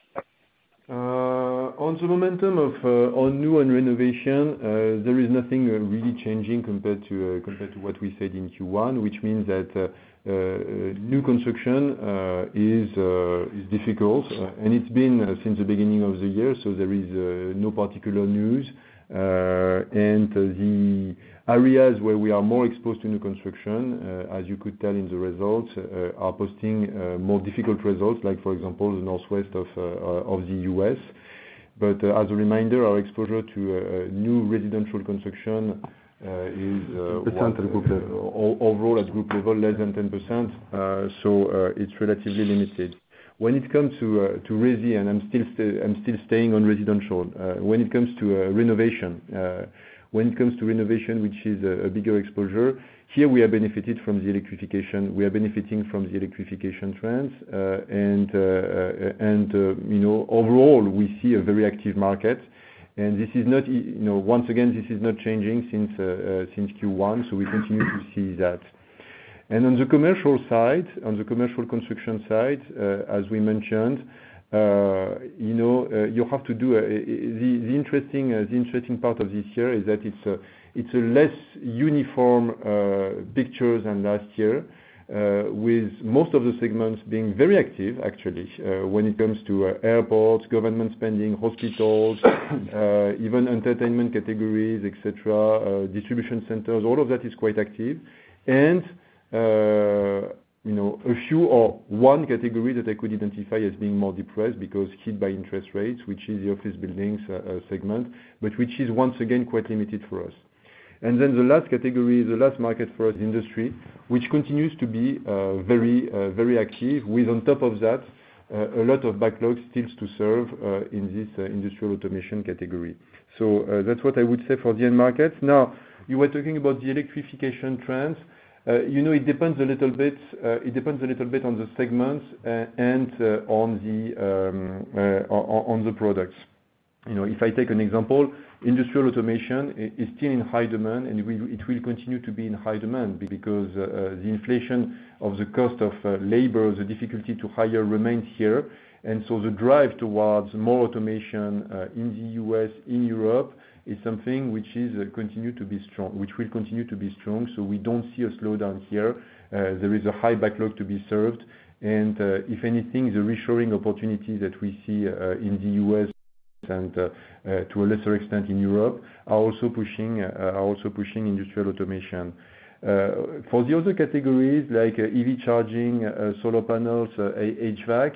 On the momentum of new and renovation, there is nothing really changing compared to what we said in Q1, which means that new construction is difficult, and it's been since the beginning of the year, so there is no particular news. The areas where we are more exposed to new construction, as you could tell in the results, are posting more difficult results, like for example, the northwest of the U.S. But, as a reminder, our exposure to new residential construction is- Percentage at Group level. Overall, at Group level, less than 10%, so it's relatively limited. When it comes to resi, and I'm still staying on Residential, when it comes to renovation, when it comes to renovation, which is a, a bigger exposure, here we have benefited from the electrification. We are benefiting from the electrification trends. You know, overall, we see a very active market, and this is not, you know, once again, this is not changing since Q1, so we continue to see that. On the commercial side, on the commercial construction side, as we mentioned, you know, you have to do... The interesting part of this year is that it's a less uniform picture than last year, with most of the segments being very active actually, when it comes to airports, government spending, hospitals, even entertainment categories, et cetera, distribution centers, all of that is quite active. You know, a few or one category that I could identify as being more depressed because hit by interest rates, which is the office building segments, but which is once again, quite limited for us. The last category, the last market for Industry, which continues to be very, very active with, on top of that, a lot of backlogs still to serve in this Industrial Automation category. That's what I would say for the end markets. You were talking about the electrification trends. You know, it depends a little bit, it depends a little bit on the segments, and on the products. You know, if I take an example, Industrial Automation is still in high demand, and it will, it will continue to be in high demand because the inflation of the cost of labor, the difficulty to hire remains here. The drive towards more automation in the U.S., in Europe, is something which is continue to be strong, which will continue to be strong. We don't see a slowdown here. There is a high backlog to be served. If anything, the reshoring opportunity that we see in the U.S. and to a lesser extent in Europe, are also pushing, are also pushing Industrial Automation. For the other categories, like EV charging, solar panels, HVAC,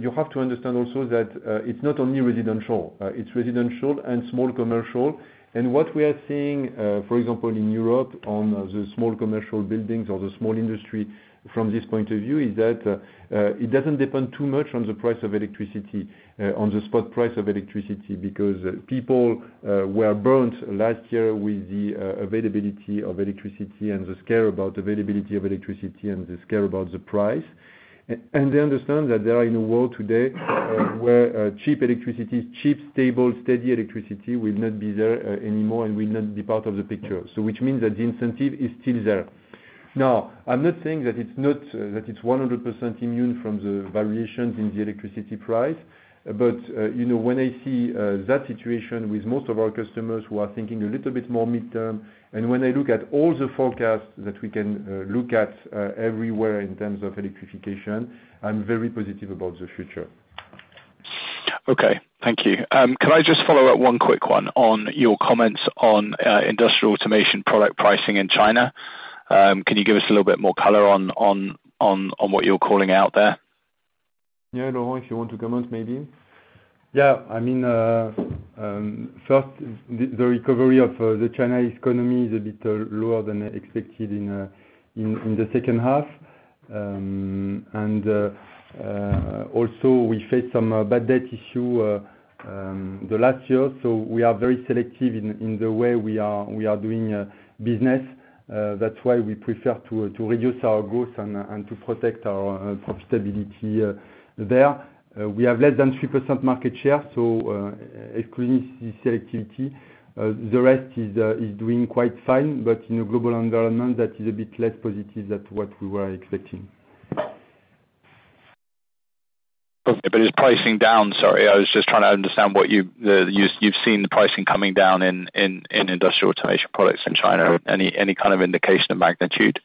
you have to understand also that it's not only Residential. It's Residential and small commercial. What we are seeing, for example, in Europe, on the small commercial buildings or the small Industry from this point of view, is that it doesn't depend too much on the price of electricity, on the spot price of electricity. Because people were burnt last year with the availability of electricity and the scare about availability of electricity and the scare about the price. They understand that they are in a world today, where cheap electricity, cheap, stable, steady electricity will not be there anymore and will not be part of the picture. Which means that the incentive is still there. Now, I'm not saying that it's not that it's 100% immune from the variations in the electricity price, but, you know, when I see that situation with most of our customers who are thinking a little bit more midterm, and when I look at all the forecasts that we can look at everywhere in terms of electrification, I'm very positive about the future. Okay, thank you. Can I just follow up one quick one on your comments on Industrial Automation product pricing in China? Can you give us a little bit more color on, on, on, on what you're calling out there? Yeah, Laurent, if you want to comment, maybe. Yeah. I mean, first, the recovery of the Chinese economy is a bit lower than expected in the second half. Also, we faced some bad debt issue the last year, we are very selective in the way we are doing business. That's why we prefer to reduce our growth and to protect our profitability there. We have less than 3% market share, exclusivity, selectivity, the rest is doing quite fine. In a global environment, that is a bit less positive than what we were expecting. Is pricing down? Sorry, I was just trying to understand what you've seen the pricing coming down in industrial automation products in China. Any kind of indication of magnitude?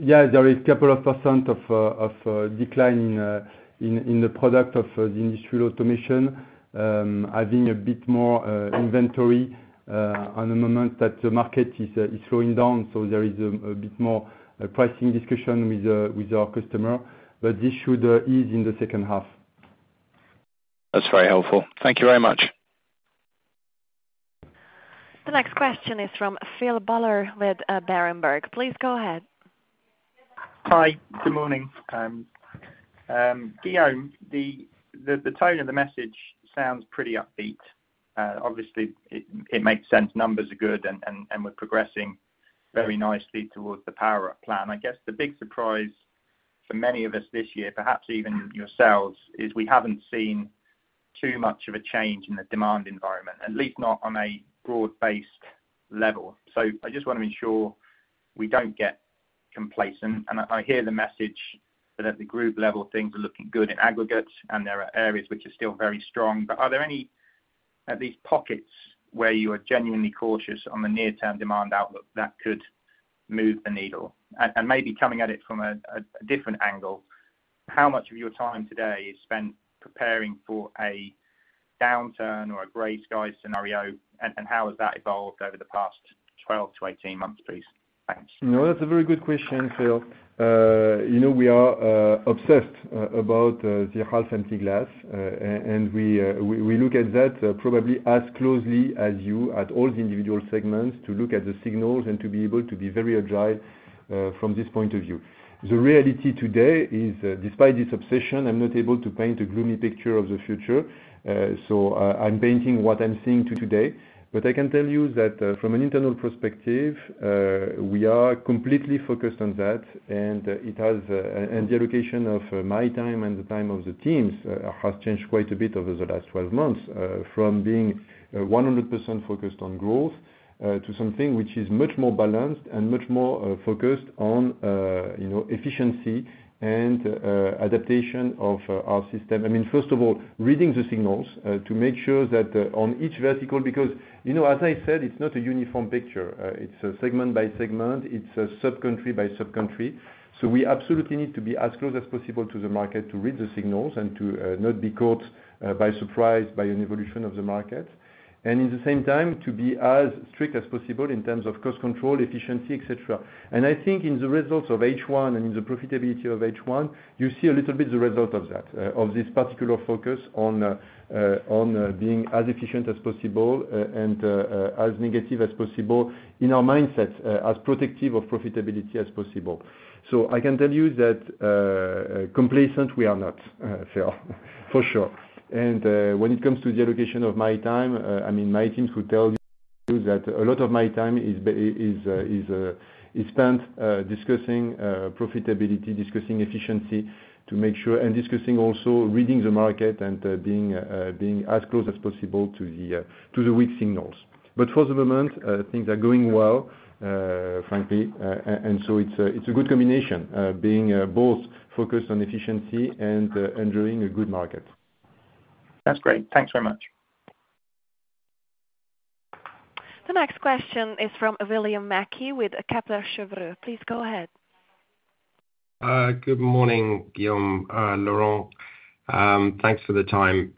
Yeah, there is couple of percentage of, of, decline in, in, in the product of, the Industrial Automation. Adding a bit more, inventory, on the moment that the market is, is slowing down, so there is a, a bit more, pricing discussion with, with our customer. This should, ease in the second half. That's very helpful. Thank you very much. The next question is from Phil Buller with Berenberg. Please go ahead. Hi. Good morning. Guillaume, the tone of the message sounds pretty upbeat. Obviously, it makes sense. Numbers are good, and we're progressing very nicely towards the PowerUP plan. I guess the big surprise for many of us this year, perhaps even yourselves, is we haven't seen too much of a change in the demand environment, at least not on a broad-based level. I just wanna make sure we don't get complacent, and I hear the message that at the group level, things are looking good in aggregate, and there are areas which are still very strong. Are these pockets where you are genuinely cautious on the near-term demand outlook that could move the needle? Maybe coming at it from a different angle, how much of your time today is spent preparing for a downturn or a gray sky scenario, and how has that evolved over the past 12 to 18 months, please? Thanks. No, that's a very good question, Phil. you know, we are obsessed about the half-empty glass. We, we, we look at that probably as closely as you at all the individual segments, to look at the signals and to be able to be very agile from this point of view. The reality today is, despite this obsession, I'm not able to paint a gloomy picture of the future. I'm painting what I'm seeing today. I can tell you that, from an internal perspective, we are completely focused on that, and it has... The allocation of my time and the time of the teams, has changed quite a bit over the last 12 months. from being 100% focused on growth to something which is much more balanced and much more focused on, you know, efficiency and adaptation of our system. I mean, first of all, reading the signals to make sure that on each vertical, because, you know, as I said, it's not a uniform picture. It's a segment by segment, it's a sub-country by sub-country. We absolutely need to be as close as possible to the market to read the signals and to not be caught by surprise, by an evolution of the market, and in the same time, to be as strict as possible in terms of cost control, efficiency, et cetera. I think in the results of H1 and in the profitability of H1, you see a little bit the result of that, of this particular focus on being as efficient as possible, and as negative as possible in our mindsets, as protective of profitability as possible. I can tell you that complacent, we are not, Phil, for sure. When it comes to the allocation of my time, I mean, my teams would tell you that a lot of my time is is spent discussing profitability, discussing efficiency to make sure, and discussing also reading the market and being as close as possible to the weak signals. For the moment, things are going well, frankly. It's a good combination, being both focused on efficiency and enjoying a good market. That's great. Thanks very much. The next question is from William Mackie with Kepler Cheuvreux. Please go ahead. Good morning, Guillaume, Laurent. Thanks for the time.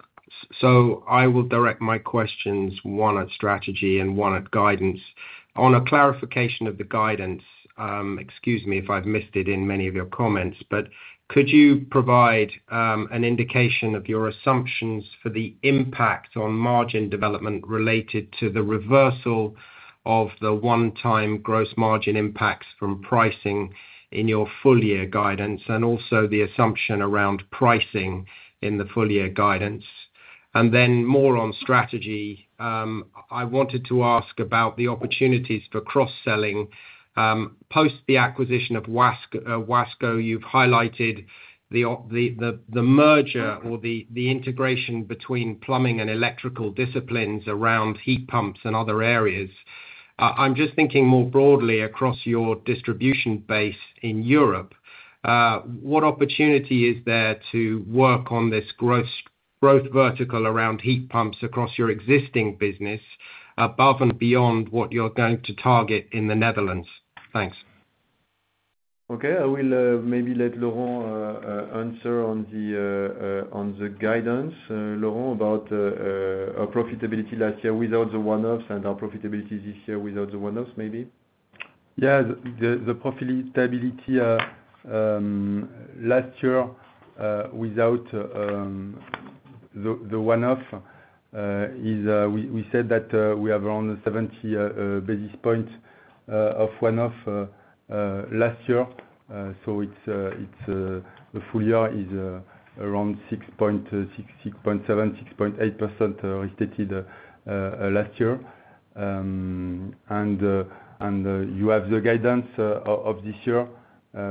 I will direct my questions, one at strategy and one at guidance. On a clarification of the guidance, excuse me if I've missed it in many of your comments, but could you provide an indication of your assumptions for the impact on margin development related to the reversal of the one-time gross margin impacts from pricing in your full year guidance, and also the assumption around pricing in the full year guidance? Then more on strategy, I wanted to ask about the opportunities for cross-selling. Post the acquisition of Wasco, you've highlighted the merger or the integration between plumbing and electrical disciplines around heat pumps and other areas. I'm just thinking more broadly across your distribution base in Europe. What opportunity is there to work on this growth, growth vertical around heat pumps across your existing business, above and beyond what you're going to target in the Netherlands? Thanks. Okay, I will maybe let Laurent answer on the on the guidance. Laurent, about our profitability last year without the one-offs and our profitability this year without the one-offs, maybe. Yeah, the profitability last year, without the one-off, is we said that we have around 70 basis points of one-off last year. So it's the full year is around 6.6%, 6.7%, 6.8% restated last year. And you have the guidance of this year,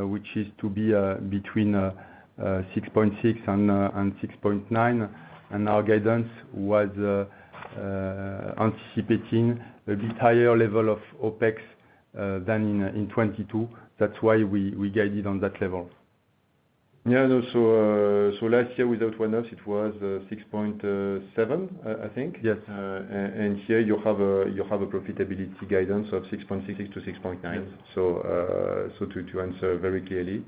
which is to be between 6.6% and 6.9%. Our guidance was anticipating a bit higher level of OpEx than in 2022. That's why we guided on that level. Yeah, no, last year without one-offs it was 6.7, I think. Yes. Here you have a profitability guidance of 6.6%-6.9%. Yes. to, to answer very clearly.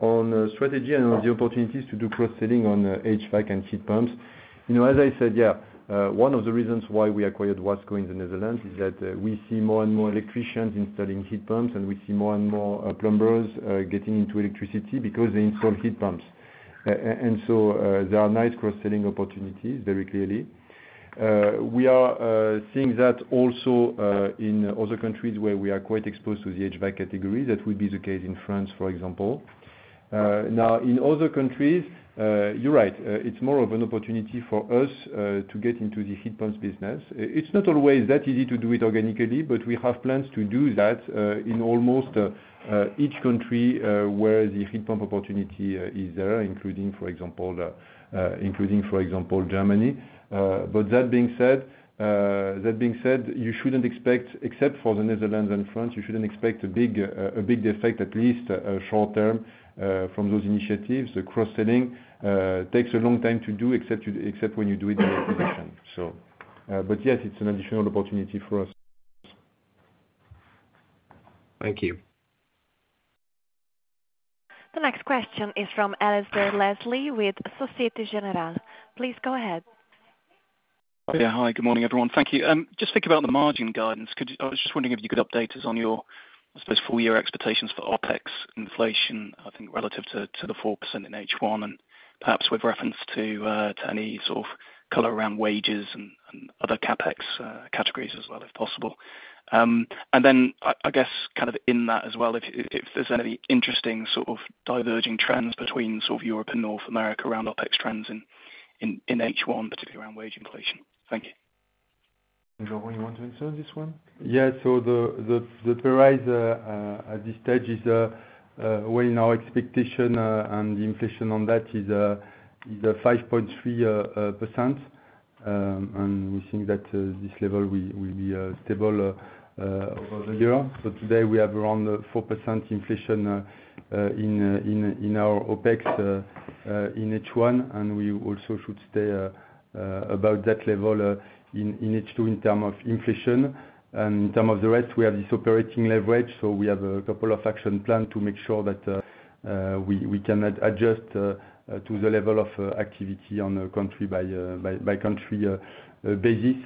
On strategy and on the opportunities to do cross-selling on HVAC and heat pumps, you know, as I said, yeah, one of the reasons why we acquired Wasco in the Netherlands is that we see more and more electricians installing heat pumps, and we see more and more plumbers getting into electricity because they install heat pumps. There are nice cross-selling opportunities, very clearly. We are seeing that also in other countries where we are quite exposed to the HVAC category. That would be the case in France, for example. In other countries, you're right, it's more of an opportunity for us to get into the heat pumps business. It's not always that easy to do it organically, but we have plans to do that in almost each country where the heat pump opportunity is there, including, for example, including, for example, Germany. That being said, that being said, you shouldn't expect, except for the Netherlands and France, you shouldn't expect a big, a big effect, at least, short-term, from those initiatives. The cross-selling takes a long time to do, except you, except when you do it in acquisition. But yes, it's an additional opportunity for us. Thank you. The next question is from Alistair Leslie with Société Générale. Please go ahead. Yeah. Hi, good morning, everyone. Thank you. Just thinking about the margin guidance, I was just wondering if you could update us on your, I suppose, full year expectations for OpEx inflation, I think, relative to the 4% in H1, and perhaps with reference to any sort of color around wages and other CapEx categories as well, if possible. Then I guess kind of in that as well, if there's any interesting sort of diverging trends between sort of Europe and North America around OpEx trends in H1, particularly around wage inflation. Thank you. Laurent, you want to answer this one? Yeah, so the, the, the price at this stage is well in our expectation, and the inflation on that is 5.3%. We think that this level will be stable over the year. Today we have around 4% inflation in our OpEx in H1, and we also should stay about that level in H2 in terms of inflation. In terms of the rest, we have this operating leverage, so we have a couple of action plans to make sure that we can adjust to the level of activity on a country by country basis.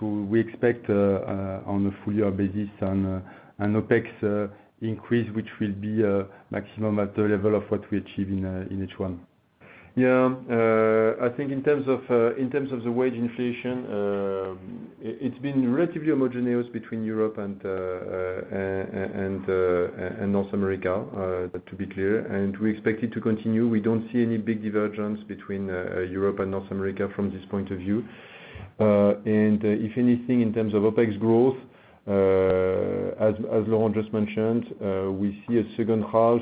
We expect on a full year basis an OpEx increase, which will be maximum at the level of what we achieve in H1. Yeah. I think in terms of, in terms of the wage inflation, it's been relatively homogeneous between Europe and, and, and North America, to be clear, and we expect it to continue. We don't see any big divergence between Europe and North America from this point of view. If anything, in terms of OpEx growth, as, as Laurent just mentioned, we see a second half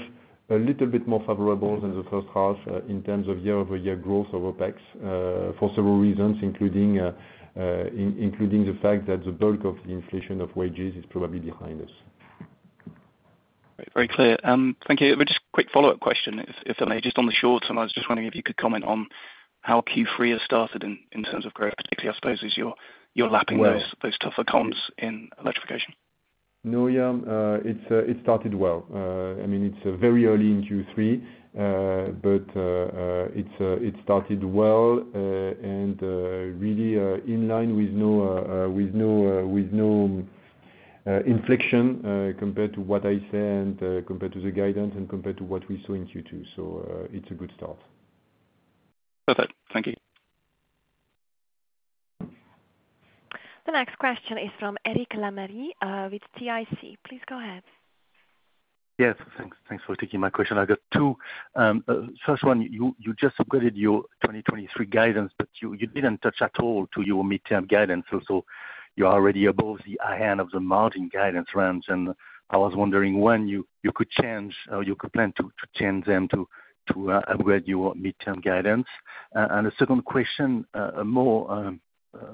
a little bit more favorable than the first half, in terms of year-over-year growth of OpEx, for several reasons, including, including the fact that the bulk of the inflation of wages is probably behind us. Very clear. Thank you. Just quick follow-up question, if, if I may, just on the short term, I was just wondering if you could comment on how Q3 has started in, in terms of growth, particularly, I suppose, as you're, you're lapping- Well- those tougher comps in electrification. No, yeah, it started well. I mean, it's very early in Q3, but it started well, and really, in line with no, with no, with no, infliction, compared to what I said, compared to the guidance and compared to what we saw in Q2. It's a good start. Perfect. Thank you. The next question is from Eric Lemarié, with CIC. Please go ahead. Yes, thanks. Thanks for taking my question. I got two. First one, you just upgraded your 2023 guidance, you didn't touch at all to your midterm guidance. You're already above the high end of the margin guidance range, I was wondering when you could change or you could plan to change them to upgrade your midterm guidance? The second question, a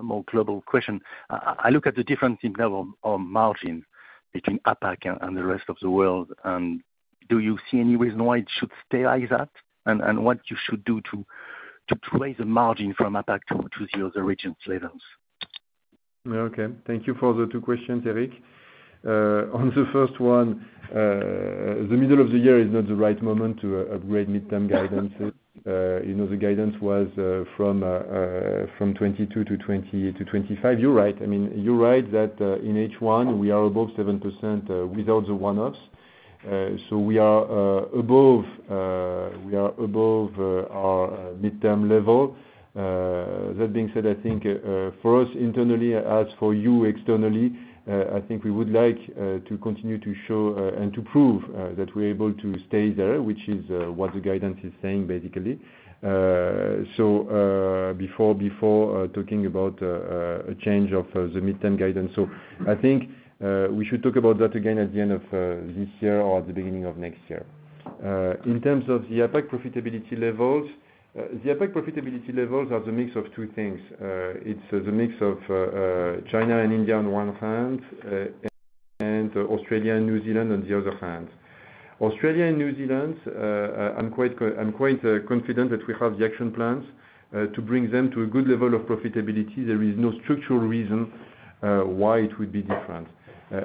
more global question. I look at the difference in level on margin between APAC and the rest of the world, do you see any reason why it should stay like that? What you should do to raise the margin from APAC to the other regions levels? Okay, thank you for the 2 questions, Eric. On the first one, the middle of the year is not the right moment to upgrade midterm guidance. You know, the guidance was from 2022 to 2025. You're right, I mean, you're right that in H1, we are above 7%, without the one-offs. We are above, we are above our midterm level. That being said, I think for us internally, as for you externally, I think we would like to continue to show and to prove that we're able to stay there, which is what the guidance is saying, basically. Before, before talking about a change of the midterm guidance, so I think we should talk about that again at the end of this year or the beginning of next year. In terms of the APAC profitability levels, the APAC profitability levels are the mix of two things. It's the mix of China and India on one hand, and Australia and New Zealand on the other hand. Australia and New Zealand, I'm quite confident that we have the action plans to bring them to a good level of profitability. There is no structural reason why it would be different.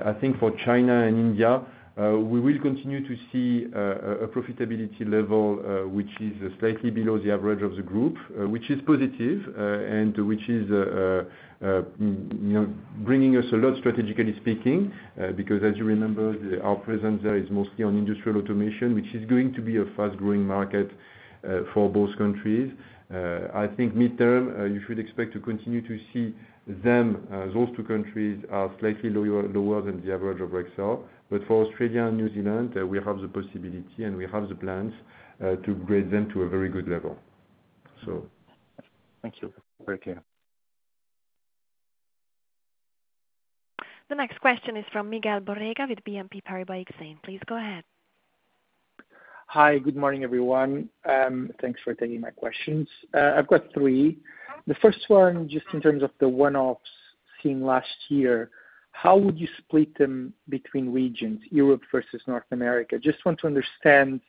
I think for China and India, we will continue to see a profitability level which is slightly below the average of the group, which is positive, and which is, you know, bringing us a lot strategically speaking. Because as you remember, our presence there is mostly on industrial automation, which is going to be a fast-growing market for both countries. I think midterm, you should expect to continue to see them, those two countries are slightly lower, lower than the average of Rexel. For Australia and New Zealand, we have the possibility, and we have the plans, to grade them to a very good level. Thank you. Okay. The next question is from Miguel Borrega with BNP Paribas Exane. Please go ahead. Hi, good morning, everyone. Thanks for taking my questions. I've got 3. The first one, just in terms of the one-offs seen last year, how would you split them between regions, Europe versus North America? Just want to understand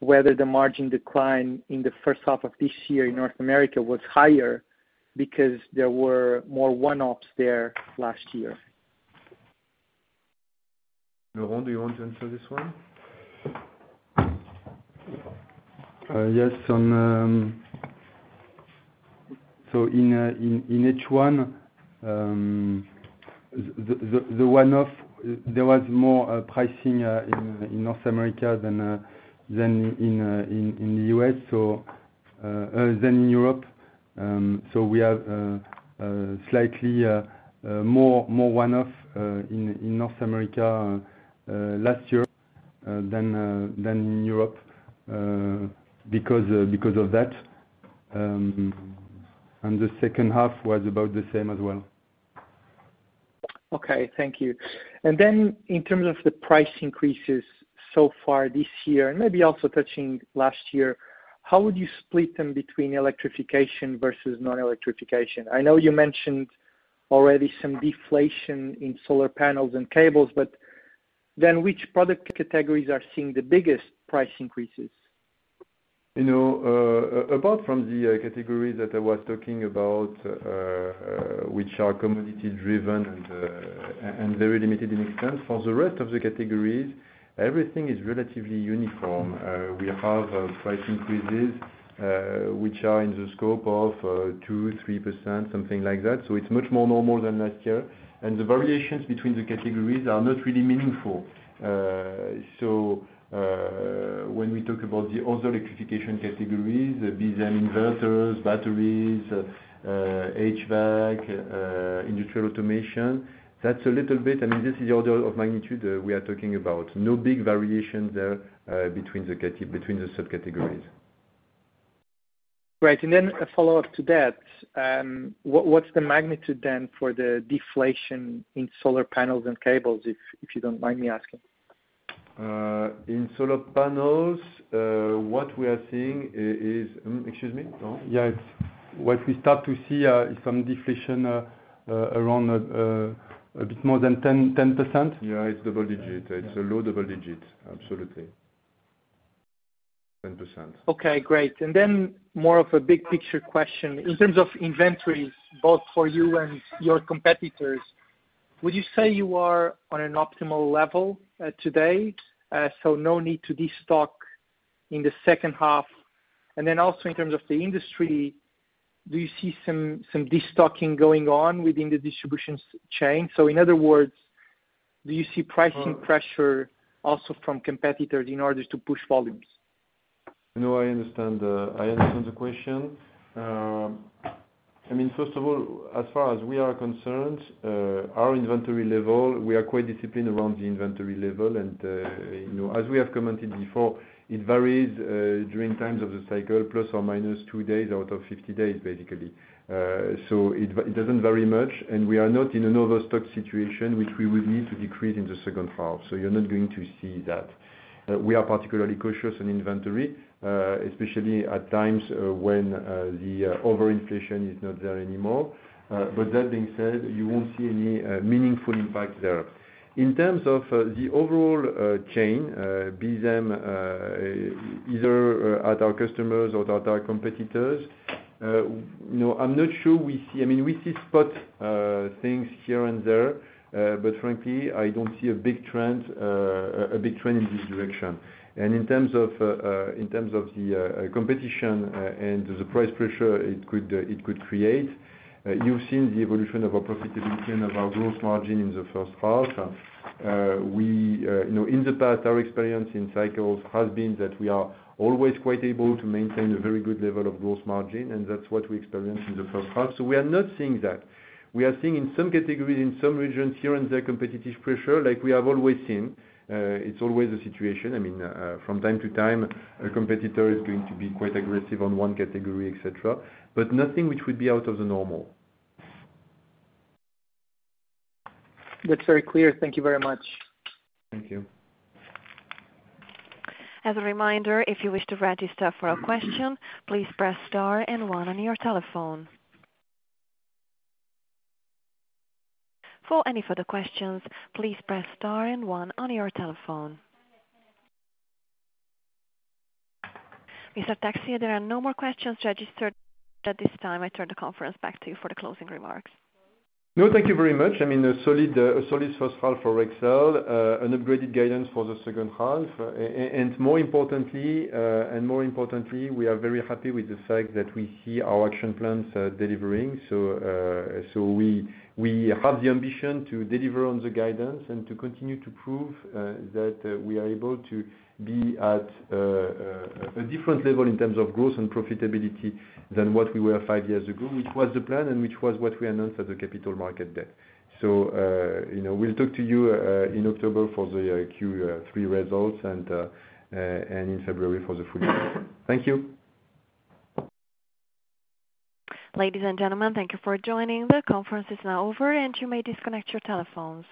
whether the margin decline in the first half of this year in North America was higher because there were more one-offs there last year. Laurent, do you want to answer this one? Yes, on. In H1, the, the, the one-off, there was more pricing in North America than than in the U.S., so than in Europe. We have slightly more, more one-off in North America last year than than Europe because because of that. The second half was about the same as well. Okay, thank you. Then in terms of the price increases so far this year, and maybe also touching last year, how would you split them between electrification versus non-electrification? I know you mentioned already some deflation in solar panels and cables, then which product categories are seeing the biggest price increases? You know, apart from the categories that I was talking about, which are commodity-driven and very limited in extent, for the rest of the categories, everything is relatively uniform. We have price increases, which are in the scope of 2-3%, something like that. So it's much more normal than last year, and the variations between the categories are not really meaningful. So, when we talk about the other electrification categories, these are inverters, batteries, HVAC, industrial automation, that's a little bit. I mean, this is the order of magnitude, we are talking about. No big variations there, between the categories, between the subcategories.... Great. Then a follow-up to that, what, what's the magnitude then for the deflation in solar panels and cables, if, if you don't mind me asking? In solar panels, what we are seeing is, excuse me? Yeah, it's what we start to see, is some deflation, around, a bit more than 10%. Yeah, it's double digit. It's a low double digit, absolutely. 10%. Okay, great. More of a big picture question. In terms of inventories, both for you and your competitors, would you say you are on an optimal level, today? No need to destock in the second half? In terms of the industry, do you see some, some destocking going on within the distribution chain? In other words, do you see pricing pressure also from competitors in order to push volumes? No, I understand, I understand the question. I mean, first of all, as far as we are concerned, our inventory level, we are quite disciplined around the inventory level. You know, as we have commented before, it varies, during times of the cycle, plus or minus 2 days out of 50 days, basically. It doesn't vary much, and we are not in an overstock situation, which we would need to decrease in the second half. You're not going to see that. We are particularly cautious on inventory, especially at times, when the overinflation is not there anymore. That being said, you won't see any meaningful impact there. In terms of the overall chain, be them, either, at our customers or at our competitors, I mean, we see spot things here and there, frankly, I don't see a big trend, a big trend in this direction. In terms of, in terms of the competition, and the price pressure, it could, it could create, you've seen the evolution of our profitability and of our growth margin in the first half. We, you know, in the past, our experience in cycles has been that we are always quite able to maintain a very good level of growth margin, and that's what we experienced in the first half. We are not seeing that. We are seeing in some categories, in some regions, here and there, competitive pressure, like we have always seen. It's always a situation, I mean, from time to time, a competitor is going to be quite aggressive on one category, et cetera, but nothing which would be out of the normal. That's very clear. Thank you very much. Thank you. As a reminder, if you wish to register for a question, please press star and one on your telephone. For any further questions, please press star and one on your telephone. Mr. Texier, there are no more questions registered at this time. I turn the conference back to you for the closing remarks. Thank you very much. I mean, a solid, a solid First Half for Rexel, an upgraded guidance for the Second Half. More importantly, and more importantly, we are very happy with the fact that we see our action plans delivering. We, we have the ambition to deliver on the guidance and to continue to prove that we are able to be at a different level in terms of growth and profitability than what we were five years ago, which was the plan and which was what we announced at the Capital Market Day. You know, we'll talk to you in October for the Q3 results and in February for the full year. Thank you. Ladies and gentlemen, thank you for joining. The conference is now over, and you may disconnect your telephones.